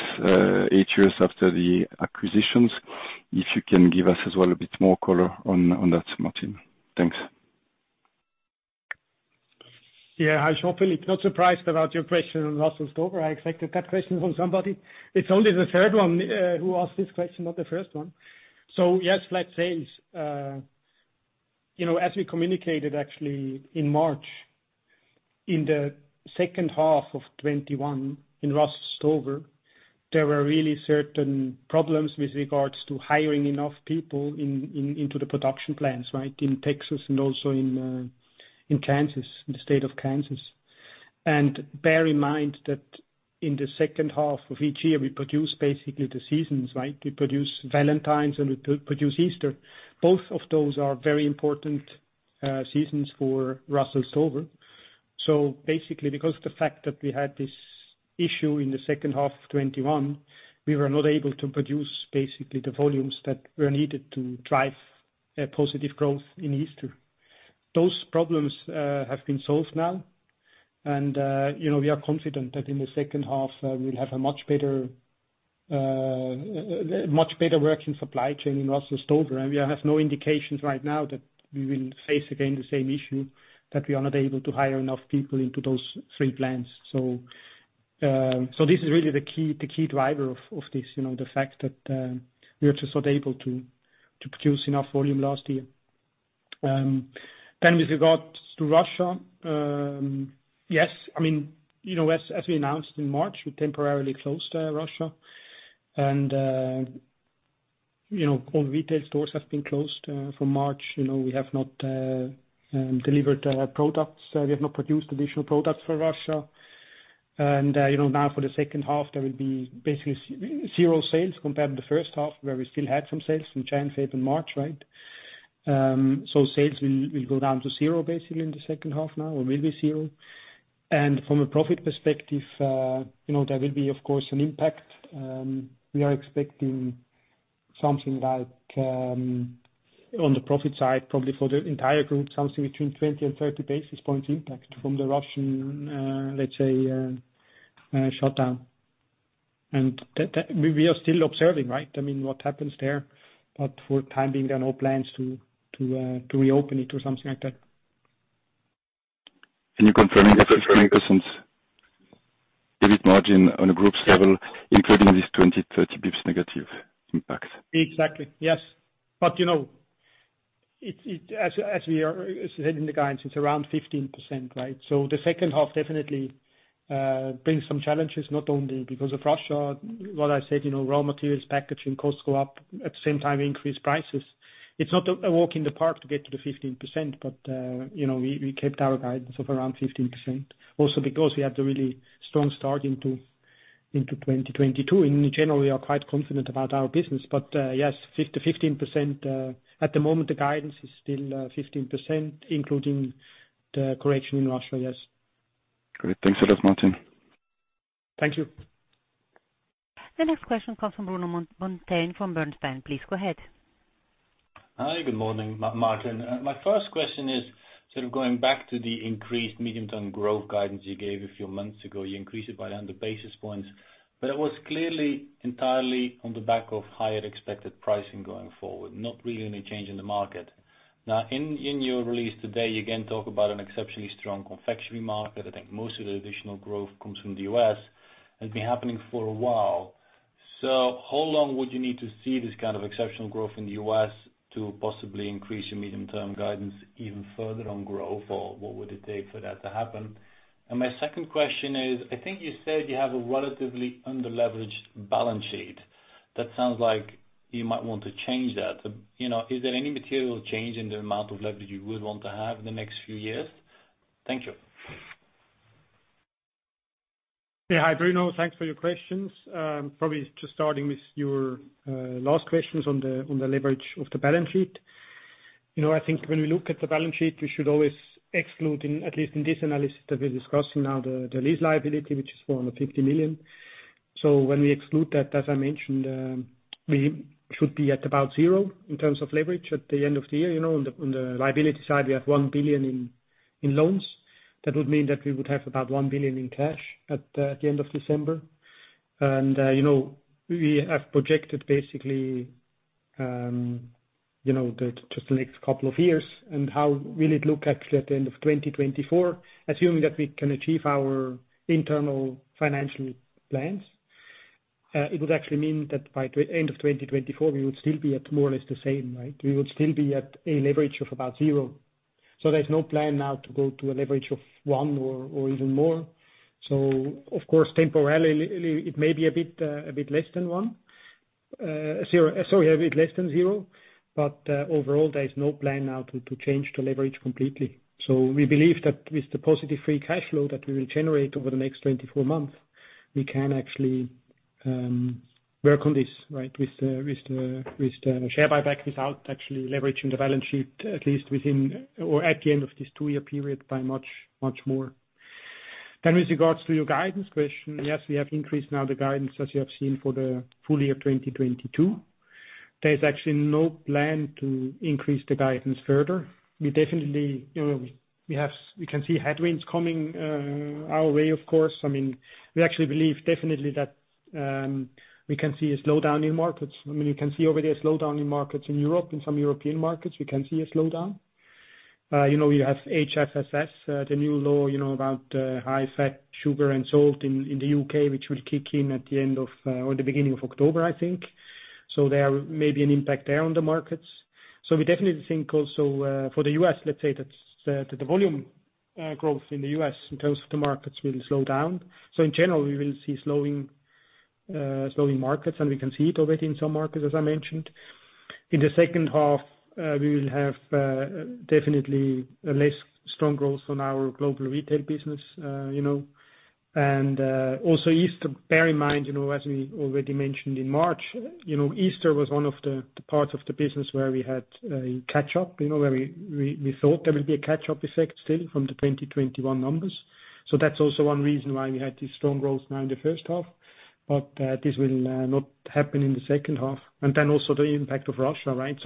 eight years after the acquisitions. If you can give us as well a bit more color on that, Martin. Thanks. Yeah. Hi, Jean-Philippe. Not surprised about your question on Russell Stover. I expected that question from somebody. It's only the third one who asked this question, not the first one. Yes, flat sales. You know, as we communicated actually in March, in the second half of 2021 in Russell Stover, there were really certain problems with regards to hiring enough people into the production plants, right? In Texas and also in Kansas, in the state of Kansas. Bear in mind that in the second half of each year, we produce basically the seasons, right? We produce Valentine's and we produce Easter. Both of those are very important seasons for Russell Stover. Basically, because of the fact that we had this issue in the second half 2021, we were not able to produce basically the volumes that were needed to drive a positive growth in Easter. Those problems have been solved now, and you know, we are confident that in the second half, we'll have a much better working supply chain in Russell Stover. We have no indications right now that we will face again the same issue, that we are not able to hire enough people into those three plants. This is really the key driver of this, you know, the fact that we were just not able to produce enough volume last year. With regard to Russia, yes, I mean, you know, as we announced in March, we temporarily closed Russia and, you know, all retail stores have been closed from March. You know, we have not delivered products. We have not produced additional products for Russia. You know, now for the second half there will be basically zero sales compared to the first half, where we still had some sales in January, February, and March, right? Sales will go down to zero basically in the second half now or will be zero. From a profit perspective, you know, there will be of course an impact. We are expecting something like, on the profit side, probably for the entire group, something between 20 and 30 basis points impact from the Russian, let's say, shutdown. That. We are still observing, right? I mean, what happens there. For the time being, there are no plans to reopen it or something like that. Can you confirm the- Yeah. EBIT margin on a group level, including this 20-30 basis points negative impact? Exactly, yes. You know, as we are, as I said in the guidance, it's around 15%, right? The second half definitely brings some challenges, not only because of Russia. What I said, you know, raw materials, packaging costs go up, at the same time increase prices. It's not a walk in the park to get to the 15%. You know, we kept our guidance of around 15% also because we had a really strong start into 2022. In general, we are quite confident about our business. Yes, 15%, at the moment the guidance is still 15%, including the correction in Russia, yes. Great. Thanks a lot, Martin. Thank you. The next question comes from Bruno Monteyne from Bernstein. Please go ahead. Hi, good morning, Martin. My first question is sort of going back to the increased medium-term growth guidance you gave a few months ago. You increased it by 100 basis points, but it was clearly entirely on the back of higher expected pricing going forward, not really any change in the market. Now, in your release today, you again talk about an exceptionally strong confectionery market. I think most of the additional growth comes from the U.S., has been happening for a while. So how long would you need to see this kind of exceptional growth in the U.S. to possibly increase your medium-term guidance even further on growth? Or what would it take for that to happen? And my second question is, I think you said you have a relatively under-leveraged balance sheet. That sounds like you might want to change that. You know, is there any material change in the amount of leverage you would want to have in the next few years? Thank you. Yeah. Hi, Bruno. Thanks for your questions. Probably just starting with your last questions on the leverage of the balance sheet. You know, I think when we look at the balance sheet, we should always exclude, at least in this analysis that we're discussing now, the lease liability, which is 450 million. When we exclude that, as I mentioned, we should be at about zero in terms of leverage at the end of the year. You know, on the liability side, we have 1 billion in loans. That would mean that we would have about 1 billion in cash at the end of December. You know, we have projected basically, you know, just the next couple of years and how will it look actually at the end of 2024, assuming that we can achieve our internal financial plans. It would actually mean that by end of 2024, we would still be at more or less the same, right? We would still be at a leverage of about zero. There's no plan now to go to a leverage of one or even more. Of course, temporarily it may be a bit less than one. Zero, sorry, a bit less than zero. Overall, there is no plan now to change the leverage completely. We believe that with the positive free cash flow that we will generate over the next 24 months, we can actually work on this, right? With the share buyback without actually leveraging the balance sheet at least within or at the end of this two-year period by much, much more. With regards to your guidance question, yes, we have increased now the guidance as you have seen for the full year 2022. There is actually no plan to increase the guidance further. We definitely, you know, we can see headwinds coming, our way, of course. I mean, we actually believe definitely that, we can see a slowdown in markets. I mean, you can see already a slowdown in markets in Europe. In some European markets, we can see a slowdown. You know, you have HFSS, the new law, you know, about high fat, sugar, and salt in the U.K., which will kick in at the end of or the beginning of October, I think. There may be an impact there on the markets. We definitely think also for the U.S., let's say that the volume growth in the U.S. in terms of the markets will slow down. In general, we will see slowing slowly markets, and we can see it already in some markets, as I mentioned. In the second half, we will have definitely a less strong growth on our Global Retail business, you know. Also Easter, bear in mind, you know, as we already mentioned in March, you know, Easter was one of the parts of the business where we had a catch-up, you know, where we thought there will be a catch-up effect still from the 2021 numbers. That's also one reason why we had this strong growth now in the first half. This will not happen in the second half. Then also the impact of Russia, right?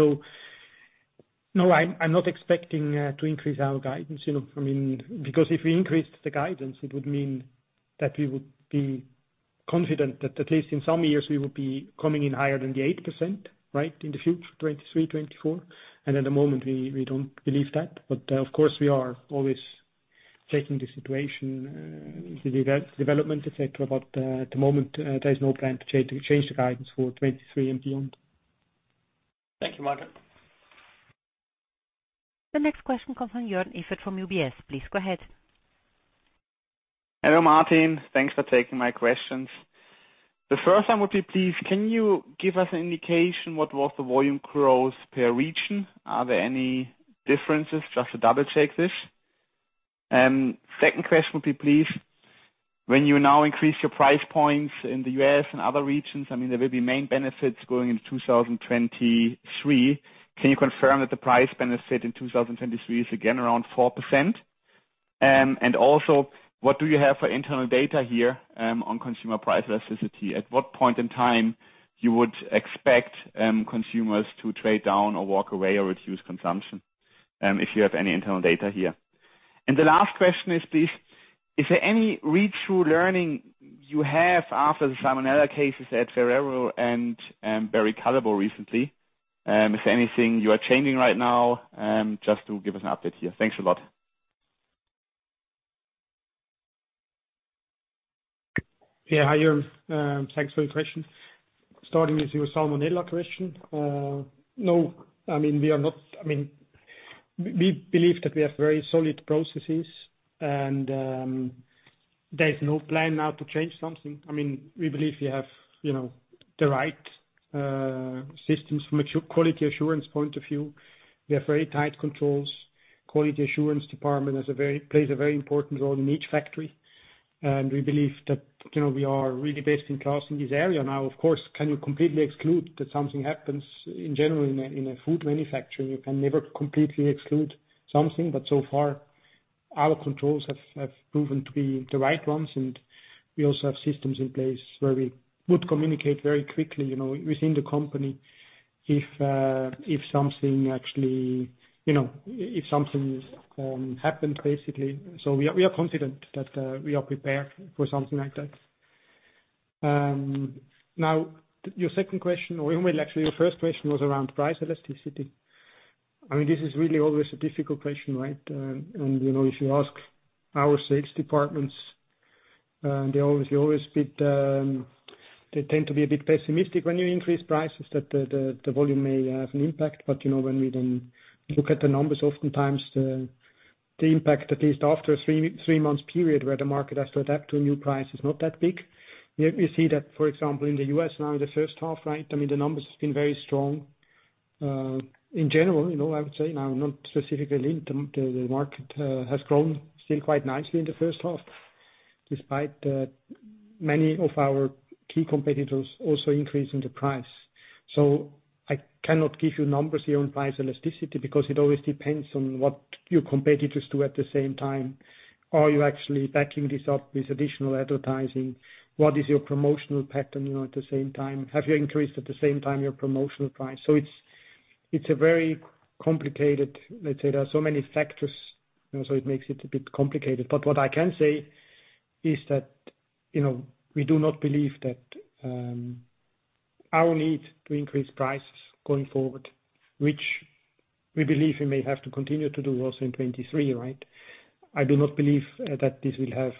No, I'm not expecting to increase our guidance, you know. I mean, because if we increased the guidance, it would mean that we would be confident that at least in some years, we would be coming in higher than the 8%, right, in the future, 2023, 2024. At the moment, we don't believe that. Of course, we are always checking the situation, the development, et cetera. At the moment, there is no plan to change the guidance for 2023 and beyond. Thank you, Martin. The next question comes from Joern Iffert from UBS. Please go ahead. Hello, Martin. Thanks for taking my questions. The first one would be, please, can you give us an indication what was the volume growth per region? Are there any differences? Just to double-check this. Second question would be, please, when you now increase your price points in the U.S. and other regions, I mean, there will be main benefits going into 2023. Can you confirm that the price benefit in 2023 is again around 4%? And also, what do you have for internal data here, on consumer price elasticity? At what point in time you would expect, consumers to trade down or walk away or reduce consumption, if you have any internal data here. The last question is this: Is there any read-through learning you have after the Salmonella cases at Ferrero and, Barry Callebaut recently? Is there anything you are changing right now? Just to give us an update here. Thanks a lot. Yeah, hi, Joern. Thanks for the question. Starting with your Salmonella question. No, I mean, we are not. I mean, we believe that we have very solid processes and, there's no plan now to change something. I mean, we believe we have, you know, the right, systems from a quality assurance point of view. We have very tight controls. Quality assurance department plays a very important role in each factory. We believe that, you know, we are really best in class in this area. Now, of course, can you completely exclude that something happens in general in food manufacturing? You can never completely exclude something, but so far our controls have proven to be the right ones, and we also have systems in place where we would communicate very quickly, you know, within the company if something actually, you know, if something happens, basically. We are confident that we are prepared for something like that. Now, your second question or well, actually, your first question was around price elasticity. I mean, this is really always a difficult question, right? You know, if you ask our sales departments, they tend to be a bit pessimistic when you increase prices that the volume may have an impact. You know, when we then look at the numbers, oftentimes the impact, at least after a three-month period where the market has to adapt to a new price, is not that big. We see that, for example, in the U.S. now in the first half, right? I mean, the numbers have been very strong. In general, you know, I would say now, not specifically, the market has grown still quite nicely in the first half, despite many of our key competitors also increasing the price. I cannot give you numbers here on price elasticity because it always depends on what your competitors do at the same time. Are you actually backing this up with additional advertising? What is your promotional pattern, you know, at the same time? Have you increased at the same time your promotional price? It's a very complicated, let's say. There are so many factors, you know, it makes it a bit complicated. What I can say is that, you know, we do not believe that our need to increase prices going forward, which we believe we may have to continue to do also in 2023, right? I do not believe that this will have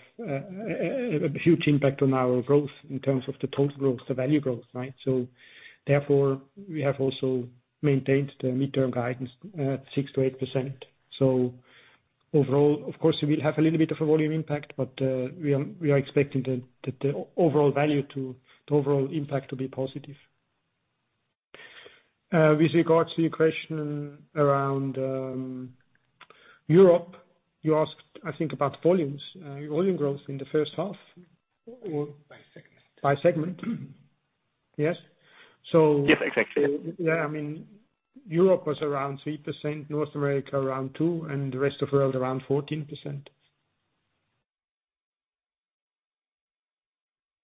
a huge impact on our growth in terms of the total growth, the value growth, right? Therefore, we have also maintained the mid-term guidance at 6%-8%. Overall, of course, we will have a little bit of a volume impact, but we are expecting the overall impact to be positive. With regards to your question around Europe, you asked, I think, about volume growth in the first half or by segment. Yes. Yes, exactly. Yeah, I mean, Europe was around 3%, North America around 2%, and the rest of world around 14%.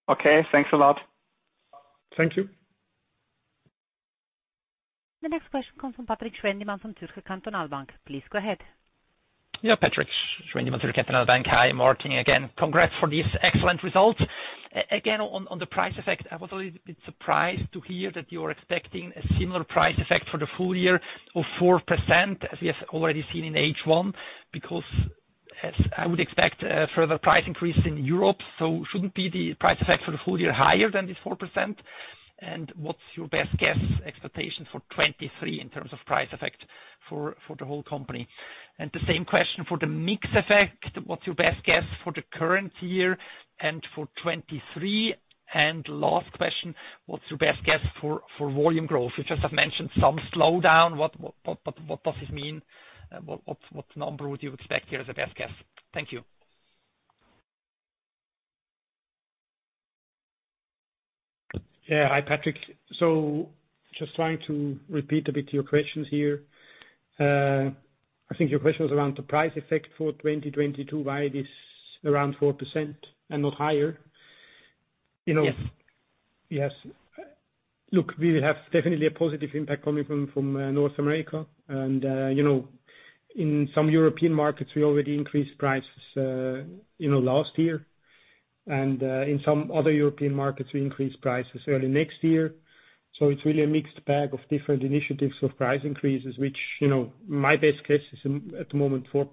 Okay, thanks a lot. Thank you. The next question comes from Patrik Schwendimann from Zürcher Kantonalbank. Please go ahead. Yeah, Patrik Schwendimann, Zürcher Kantonalbank. Hi, Martin. Again, congrats for these excellent results. Again, on the price effect, I was a little bit surprised to hear that you're expecting a similar price effect for the full year of 4%, as we have already seen in H1, because as I would expect further price increase in Europe, so shouldn't the price effect for the full year be higher than this 4%? What's your best guess expectation for 2023 in terms of price effect for the whole company? The same question for the mix effect, what's your best guess for the current year and for 2023? Last question, what's your best guess for volume growth? You just have mentioned some slowdown. What does this mean? What number would you expect here as a best guess? Thank you. Yeah. Hi, Patrik. Just trying to repeat a bit your questions here. I think your question was around the price effect for 2022, why it is around 4% and not higher. You know. Yes. Yes. Look, we will have definitely a positive impact coming from North America. You know, in some European markets, we already increased prices you know last year. In some other European markets, we increased prices early next year. It's really a mixed bag of different initiatives of price increases, which, you know, my best guess is at the moment 4%,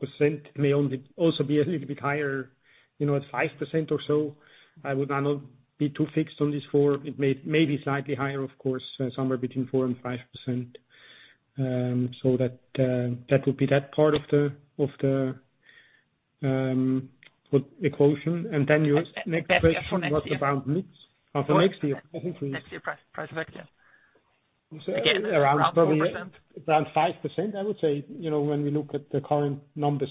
may also be a little bit higher, you know, at 5% or so. I would now not be too fixed on this four. It may be slightly higher, of course, somewhere between 4% and 5%. Well, that would be that part of the equation. Then your next question was about mix of the next year, I think it is. Next year price effect, yeah. Around probably- Again, around 4%. Around 5%, I would say, you know, when we look at the current numbers.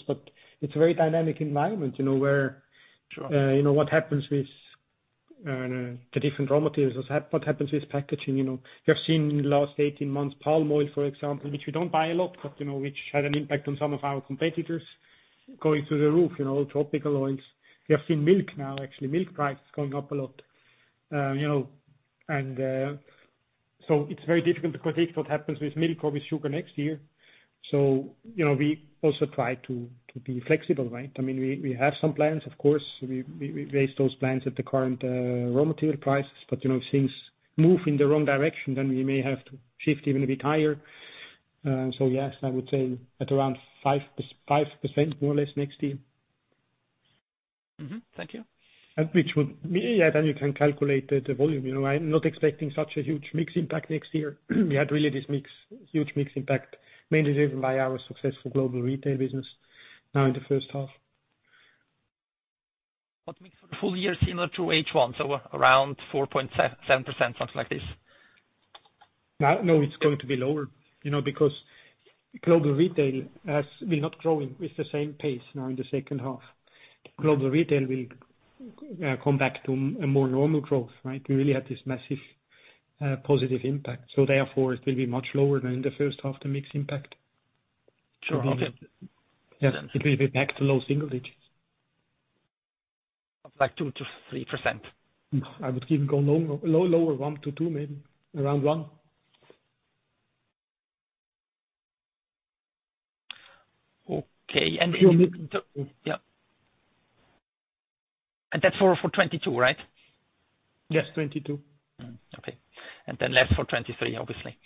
It's a very dynamic environment, you know, where Sure. You know what happens with the different raw materials. What happens with packaging, you know. We have seen in the last 18 months palm oil, for example, which we don't buy a lot, but, you know, which had an impact on some of our competitors going through the roof, you know, tropical oils. We have seen milk now, actually milk prices going up a lot. It's very difficult to predict what happens with milk or with sugar next year. You know, we also try to be flexible, right? I mean, we have some plans, of course. We base those plans at the current raw material prices. You know, if things move in the wrong direction, then we may have to shift even a bit higher. Yes, I would say at around 5% more or less next year. Thank you. Which would be, yeah, then you can calculate the volume. You know, I'm not expecting such a huge mix impact next year. We had really this huge mix impact, mainly driven by our successful Global Retail business now in the first half. What mix for the full year similar to H1, so around 4.7%, something like this? No, no, it's going to be lower, you know, because Global Retail has been not growing with the same pace now in the second half. Global Retail will come back to a more normal growth, right? We really had this massive positive impact. Therefore it will be much lower than in the first half, the mix impact. Sure. Okay. Yeah. It will be back to low single digits. Of like 2% to 3%. I would even go lower, 1%-2%, maybe. Around 1%. Okay. Your mix- Yeah. That's for 2022, right? Yes, 2022. Okay. Less for 2023, obviously.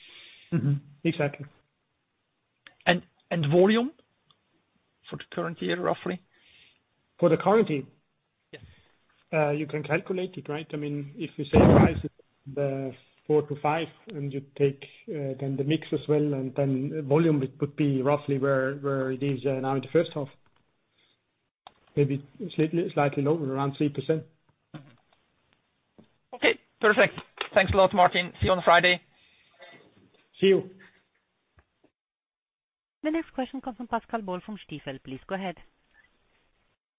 Mm-hmm. Exactly. Volume for the current year, roughly? For the current year? Yes. You can calculate it, right? I mean, if you say prices four to five, and you take then the mix as well, and then volume it would be roughly where it is now in the first half. Maybe slightly lower, around 3%. Okay, perfect. Thanks a lot, Martin. See you on Friday. See you. The next question comes from Pascal Boll from Stifel. Please go ahead.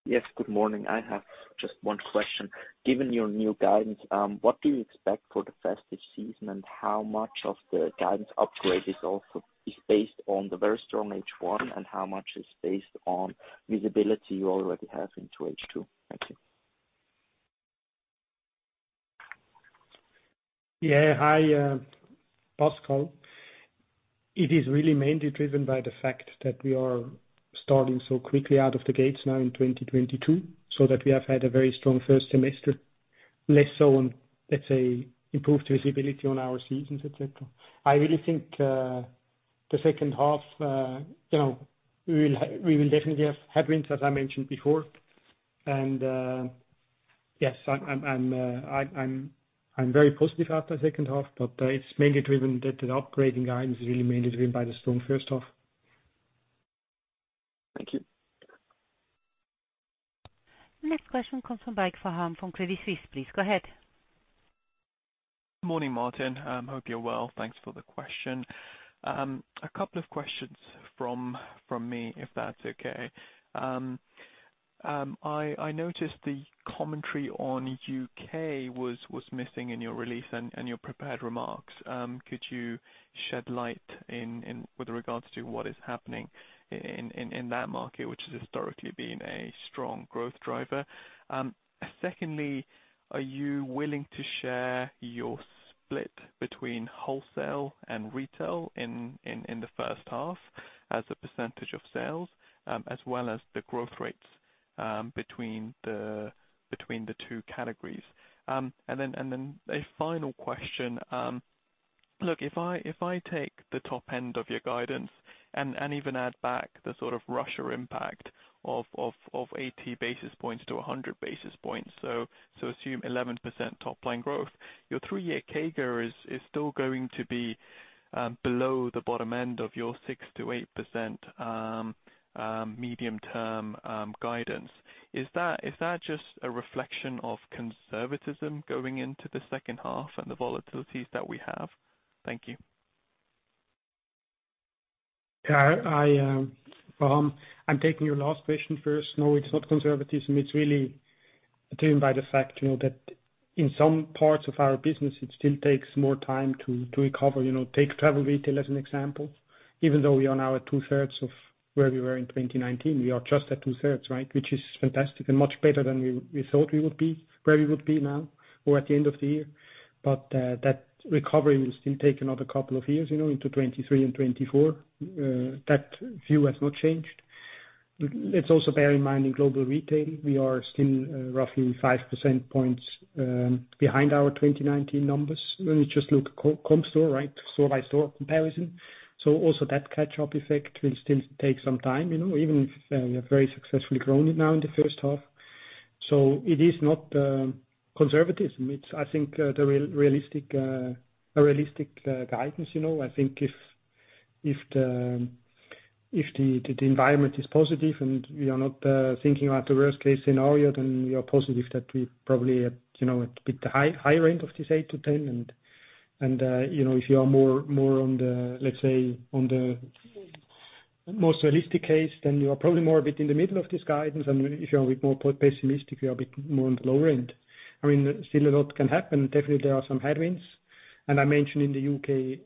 Yes, good morning. I have just one question. Given your new guidance, what do you expect for the festive season, and how much of the guidance upgrade is based on the very strong H1 and how much is based on visibility you already have into H2? Thank you. Yeah. Hi, Pascal. It is really mainly driven by the fact that we are starting so quickly out of the gates now in 2022, so that we have had a very strong first semester, less so on, let's say, improved visibility on our seasons, et cetera. I really think the second half, you know, we will definitely have headwinds, as I mentioned before. Yes, I'm very positive about the second half, but it's mainly driven that the upgrading guidance is really mainly driven by the strong first half. Thank you. Next question comes from Faham Baig from Credit Suisse, please go ahead. Morning, Martin. Hope you're well. Thanks for the question. A couple of questions from me, if that's okay. I noticed the commentary on U.K. was missing in your release and your prepared remarks. Could you shed light on what is happening in that market, which has historically been a strong growth driver? Secondly, are you willing to share your split between wholesale and retail in the first half as a percentage of sales, as well as the growth rates between the two categories? And then a final question. Look, if I take the top end of your guidance and even add back the sort of Russia impact of 80 basis points to 100 basis points, so assume 11% top line growth, your three-year CAGR is still going to be below the bottom end of your 6%-8% medium-term guidance. Is that just a reflection of conservatism going into the second half and the volatilities that we have? Thank you. Yeah. I'm taking your last question first. No, it's not conservatism. It's really driven by the fact, you know, that in some parts of our business it still takes more time to recover. You know, take travel retail as an example. Even though we are now at two-thirds of where we were in 2019, we are just at two-thirds, right? Which is fantastic and much better than we thought we would be, where we would be now or at the end of the year. That recovery will still take another couple of years, you know, into 2023 and 2024. That view has not changed. Let's also bear in mind, in Global Retail we are still roughly five percentage points behind our 2019 numbers. When we just look at company store, right? Store by store comparison. Also that catch up effect will still take some time, you know, even if we have very successfully grown it now in the first half. It is not conservatism. It's, I think, a realistic guidance, you know. I think if the environment is positive and we are not thinking about the worst case scenario, then we are positive that we probably at, you know, at a bit high range of this 8%-10%. If you are more on the, let's say, more realistic case, then you are probably more a bit in the middle of this guidance. If you are a bit more pessimistic, you are a bit more on the lower end. I mean, still a lot can happen. Definitely there are some headwinds. I mentioned in the U.K.,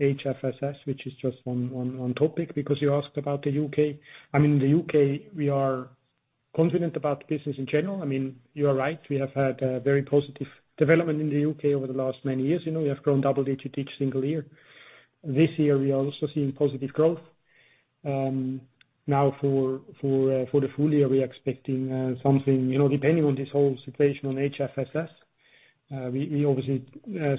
HFSS, which is just one topic, because you asked about the U.K. I mean, the U.K., we are confident about the business in general. I mean, you are right, we have had a very positive development in the U.K. over the last many years. You know, we have grown double-digit each single year. This year we are also seeing positive growth. Now for the full year, we are expecting something, you know, depending on this whole situation on HFSS, we obviously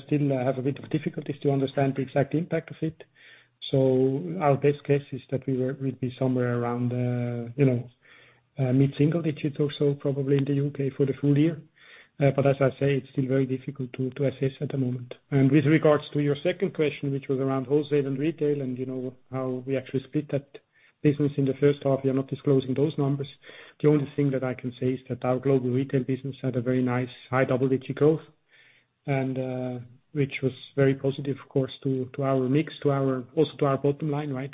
still have a bit of difficulties to understand the exact impact of it. So our best case is that we'd be somewhere around, you know, mid-single digits or so probably in the U.K. for the full year. It's still very difficult to assess at the moment. With regards to your second question, which was around wholesale and retail, you know, how we actually split that business in the first half, we are not disclosing those numbers. The only thing that I can say is that our global retail business had a very nice high double digit growth and which was very positive, of course, to our mix, also to our bottom line, right?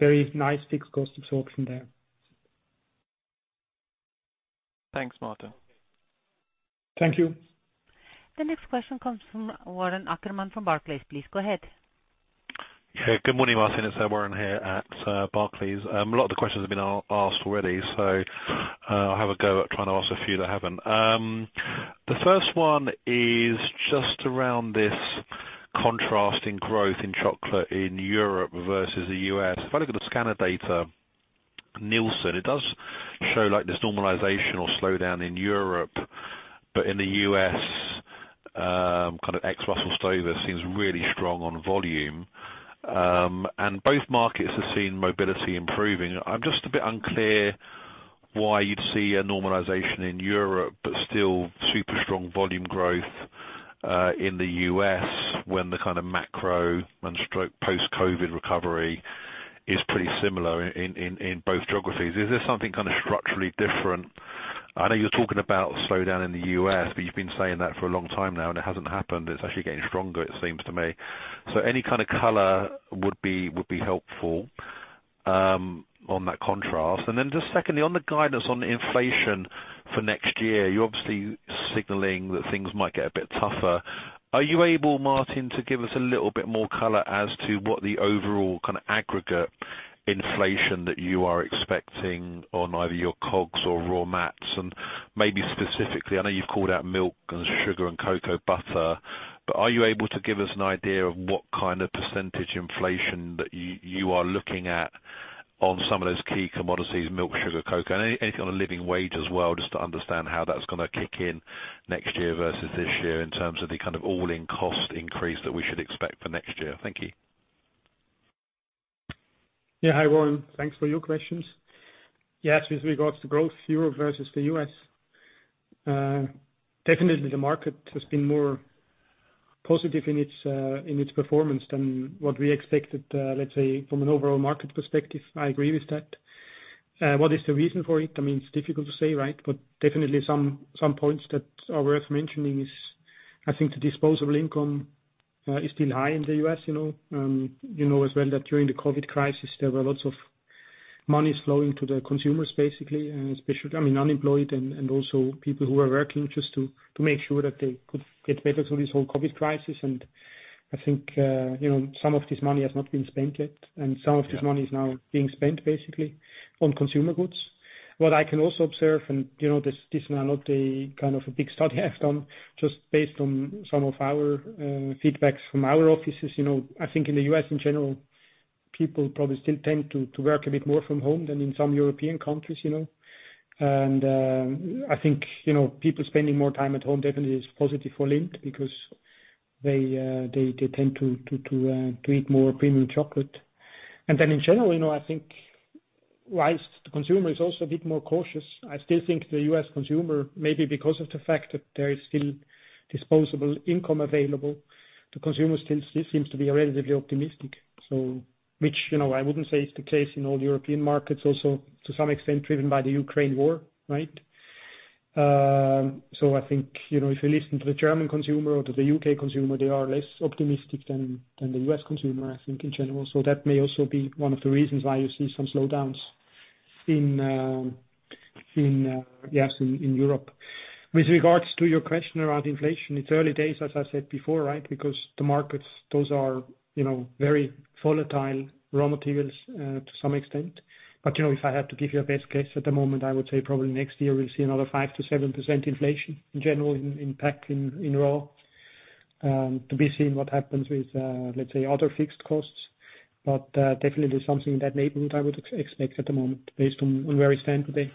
Very nice fixed cost absorption there. Thanks, Martin. Thank you. The next question comes from Warren Ackerman from Barclays. Please go ahead. Yeah. Good morning, Martin. It's Warren here at Barclays. A lot of the questions have been asked already, so I'll have a go at trying to ask a few that haven't. The first one is just around this contrast in growth in chocolate in Europe versus the U.S. If I look at the scanner data, Nielsen, it does show like this normalization or slowdown in Europe, but in the U.S., kind of ex Russell Stover seems really strong on volume. Both markets have seen mobility improving. I'm just a bit unclear why you'd see a normalization in Europe, but still super strong volume growth in the U.S. when the kind of macro and sort of post-COVID recovery is pretty similar in both geographies. Is there something kind of structurally different? I know you're talking about slowdown in the U.S., but you've been saying that for a long time now, and it hasn't happened. It's actually getting stronger, it seems to me. Any kind of color would be helpful on that contrast. Just secondly, on the guidance on inflation for next year, you're obviously signaling that things might get a bit tougher. Are you able, Martin, to give us a little bit more color as to what the overall kind of aggregate inflation that you are expecting on either your COGS or raw materials? And maybe specifically, I know you've called out milk and sugar and cocoa butter, but are you able to give us an idea of what kind of percentage inflation that you are looking at on some of those key commodities, milk, sugar, cocoa? Any kind of living wage as well, just to understand how that's gonna kick in next year versus this year in terms of the kind of all-in cost increase that we should expect for next year. Thank you. Yeah. Hi, Warren. Thanks for your questions. Yes. With regards to growth, Europe versus the U.S., definitely the market has been more positive in its performance than what we expected, let's say from an overall market perspective. I agree with that. What is the reason for it? I mean, it's difficult to say, right? Definitely some points that are worth mentioning is I think the disposable income is still high in the U.S., you know. You know as well that during the COVID crisis there were lots of money flowing to the consumers basically, and especially, I mean, unemployed and also people who were working just to make sure that they could get better through this whole COVID crisis. I think, you know, some of this money has not been spent yet, and some of this money is now being spent basically on consumer goods. What I can also observe, and you know, this is not a kind of a big study I've done, just based on some of our feedbacks from our offices. You know, I think in the U.S. in general, people probably still tend to work a bit more from home than in some European countries, you know. I think, you know, people spending more time at home definitely is positive for Lindt because they tend to eat more premium chocolate. In general, you know, I think while the consumer is also a bit more cautious, I still think the U.S. consumer, maybe because of the fact that there is still disposable income available, the consumer still seems to be relatively optimistic. Which, you know, I wouldn't say is the case in all European markets also to some extent driven by the Ukraine war, right? I think, you know, if you listen to the German consumer or to the U.K. consumer, they are less optimistic than the U.S. consumer, I think, in general. That may also be one of the reasons why you see some slowdowns in Europe. With regards to your question around inflation, it's early days, as I said before, right? Because the markets, those are, you know, very volatile raw materials, to some extent. You know, if I had to give you a best case at the moment, I would say probably next year we'll see another 5%-7% inflation in general impact in raw, to be seen what happens with, let's say other fixed costs. Definitely something in that neighborhood I would expect at the moment based on where we stand today.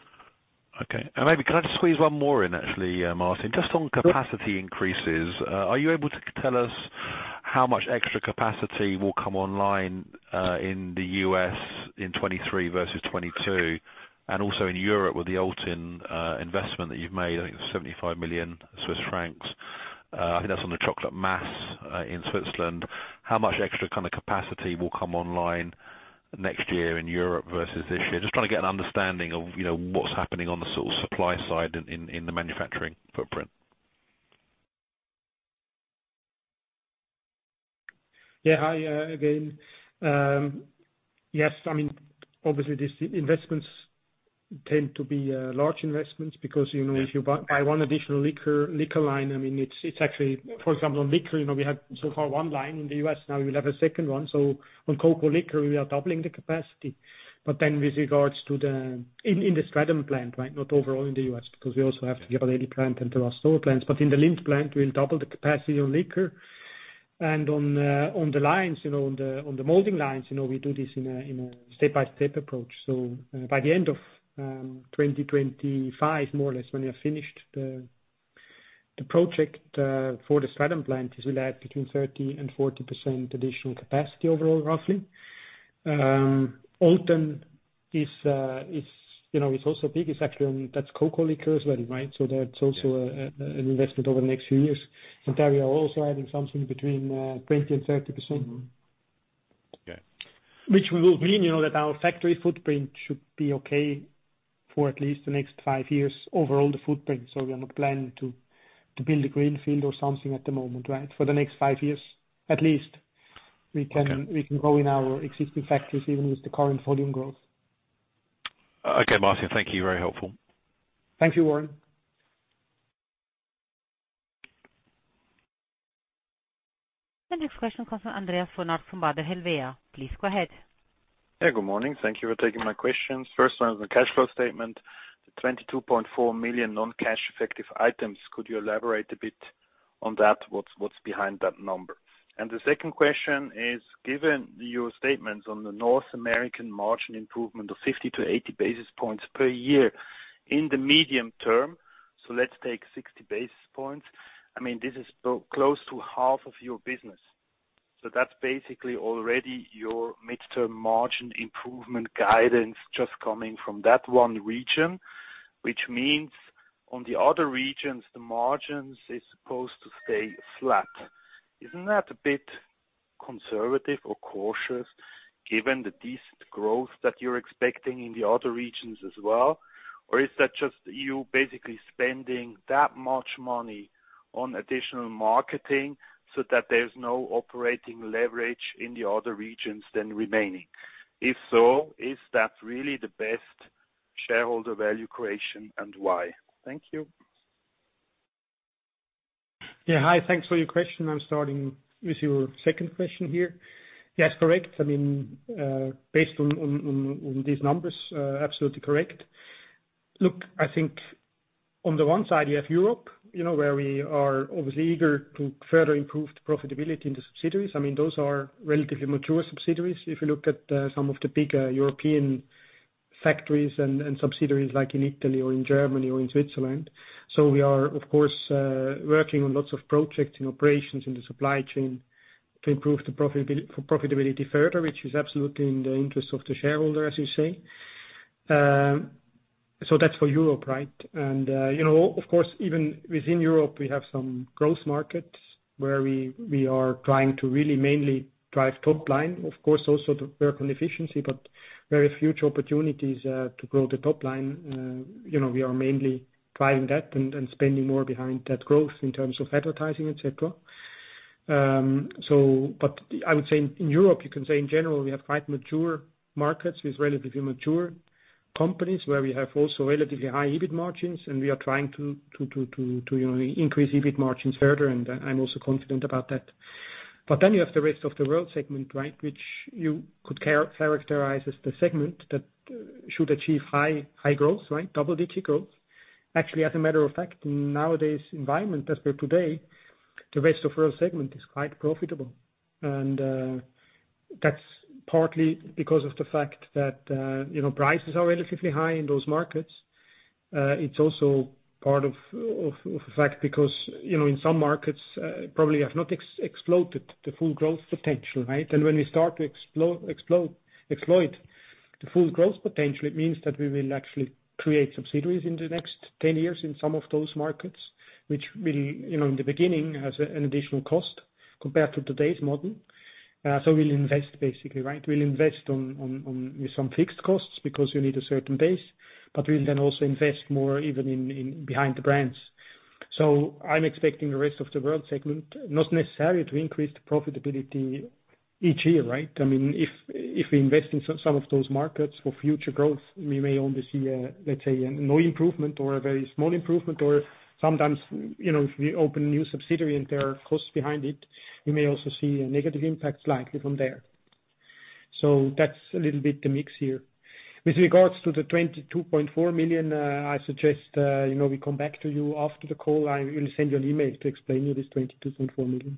Okay. Maybe can I just squeeze one more in actually, Martin? Sure. Just on capacity increases, are you able to tell us how much extra capacity will come online in the U.S. in 2023 versus 2022, and also in Europe with the Olten investment that you've made, I think 75 million Swiss francs. I think that's on the chocolate mass in Switzerland. How much extra kinda capacity will come online next year in Europe versus this year? Just trying to get an understanding of, you know, what's happening on the sort of supply side in the manufacturing footprint. Yeah. Hi, again. Yes, I mean, obviously these investments tend to be large investments because, you know. Yeah If you buy one additional liquor line, I mean it's actually, for example, on liquor, you know, we have so far one line in the U.S., now we'll have a second one. On cocoa liquor we are doubling the capacity. Then with regards to the in the Stratham plant, right, not overall in the U.S., because we also have the- Mm-hmm. Yorba Linda plant and the Russell Stover plant. In the Lindt plant we'll double the capacity on liquor and on the lines, you know, on the molding lines, you know, we do this in a step-by-step approach. By the end of 2025 more or less when we have finished the project for the Stratham plant we'll add between 30% and 40% additional capacity overall, roughly. Olten is also big, it's actually one, that's cocoa liquor as well, right? That's also. Yeah. An investment over the next few years. There we are also adding something between 20% and 30%. Mm-hmm. Yeah. Which will mean, you know, that our factory footprint should be okay for at least the next five years overall the footprint, so we are not planning to build a greenfield or something at the moment, right? For the next five years at least we can- Okay. We can grow in our existing factories even with the current volume growth. Okay, Martin, thank you. Very helpful. Thank you, Warren. The next question comes from Andreas von Arx from Baader Helvea. Please go ahead. Yeah, good morning. Thank you for taking my questions. First one is the cash flow statement, the 22.4 million non-cash effective items. Could you elaborate a bit on that? What's behind that number? And the second question is, given your statements on the North American margin improvement of 50-80 basis points per year in the medium term, so let's take 60 basis points. I mean, this is close to half of your business. So that's basically already your midterm margin improvement guidance just coming from that one region, which means on the other regions, the margins is supposed to stay flat. Isn't that a bit conservative or cautious given the decent growth that you're expecting in the other regions as well? Is that just you basically spending that much money on additional marketing so that there's no operating leverage in the other regions then remaining? If so, is that really the best shareholder value creation, and why? Thank you. Yeah. Hi. Thanks for your question. I'm starting with your second question here. Yes, correct. I mean, based on these numbers, absolutely correct. Look, I think on the one side you have Europe, you know, where we are obviously eager to further improve the profitability in the subsidiaries. I mean, those are relatively mature subsidiaries if you look at some of the big European factories and subsidiaries like in Italy or in Germany or in Switzerland. We are of course working on lots of projects and operations in the supply chain to improve the profitability further, which is absolutely in the interest of the shareholder, as you say. That's for Europe, right? You know, of course, even within Europe, we have some growth markets where we are trying to really mainly drive top line, of course, also to work on efficiency, but very huge opportunities to grow the top line. You know, we are mainly trying that and spending more behind that growth in terms of advertising, et cetera. I would say in Europe, you can say in general we have quite mature markets with relatively mature companies where we have also relatively high EBIT margins and we are trying to increase EBIT margins further, and I'm also confident about that. But then you have the rest of the world segment, right? Which you could characterize as the segment that should achieve high growth, right? Double-digit growth. Actually, as a matter of fact, nowadays environment as per today, the Rest of World segment is quite profitable. That's partly because of the fact that, you know, prices are relatively high in those markets. It's also part of a fact because, you know, in some markets, probably have not exploded the full growth potential, right? When we start to exploit the full growth potential, it means that we will actually create subsidiaries in the next 10 years in some of those markets, which will, you know, in the beginning, has an additional cost compared to today's model. We'll invest basically, right? We'll invest on some fixed costs because you need a certain base, but we'll then also invest more even in behind the brands. I'm expecting the Rest of the World segment not necessarily to increase the profitability each year, right? I mean, if we invest in some of those markets for future growth, we may only see a, let's say, no improvement or a very small improvement, or sometimes, you know, if we open a new subsidiary and there are costs behind it, we may also see a negative impact slightly from there. That's a little bit the mix here. With regards to the 22.4 million, I suggest, you know, we come back to you after the call. I will send you an email to explain to you this 22.4 million.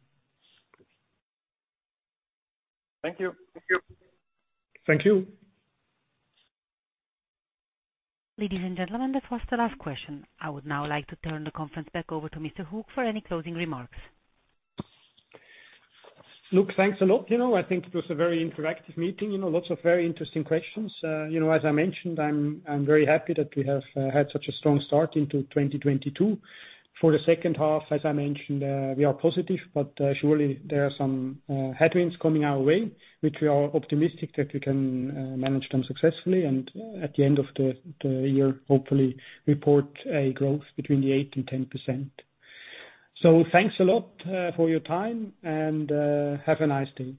Thank you. Thank you. Thank you. Ladies and gentlemen, that was the last question. I would now like to turn the conference back over to Mr Hug for any closing remarks. Look, thanks a lot. You know, I think it was a very interactive meeting. You know, lots of very interesting questions. You know, as I mentioned, I'm very happy that we have had such a strong start into 2022. For the second half, as I mentioned, we are positive, but surely there are some headwinds coming our way, which we are optimistic that we can manage them successfully and at the end of the year, hopefully report a growth between 8% and 10%. Thanks a lot for your time and have a nice day.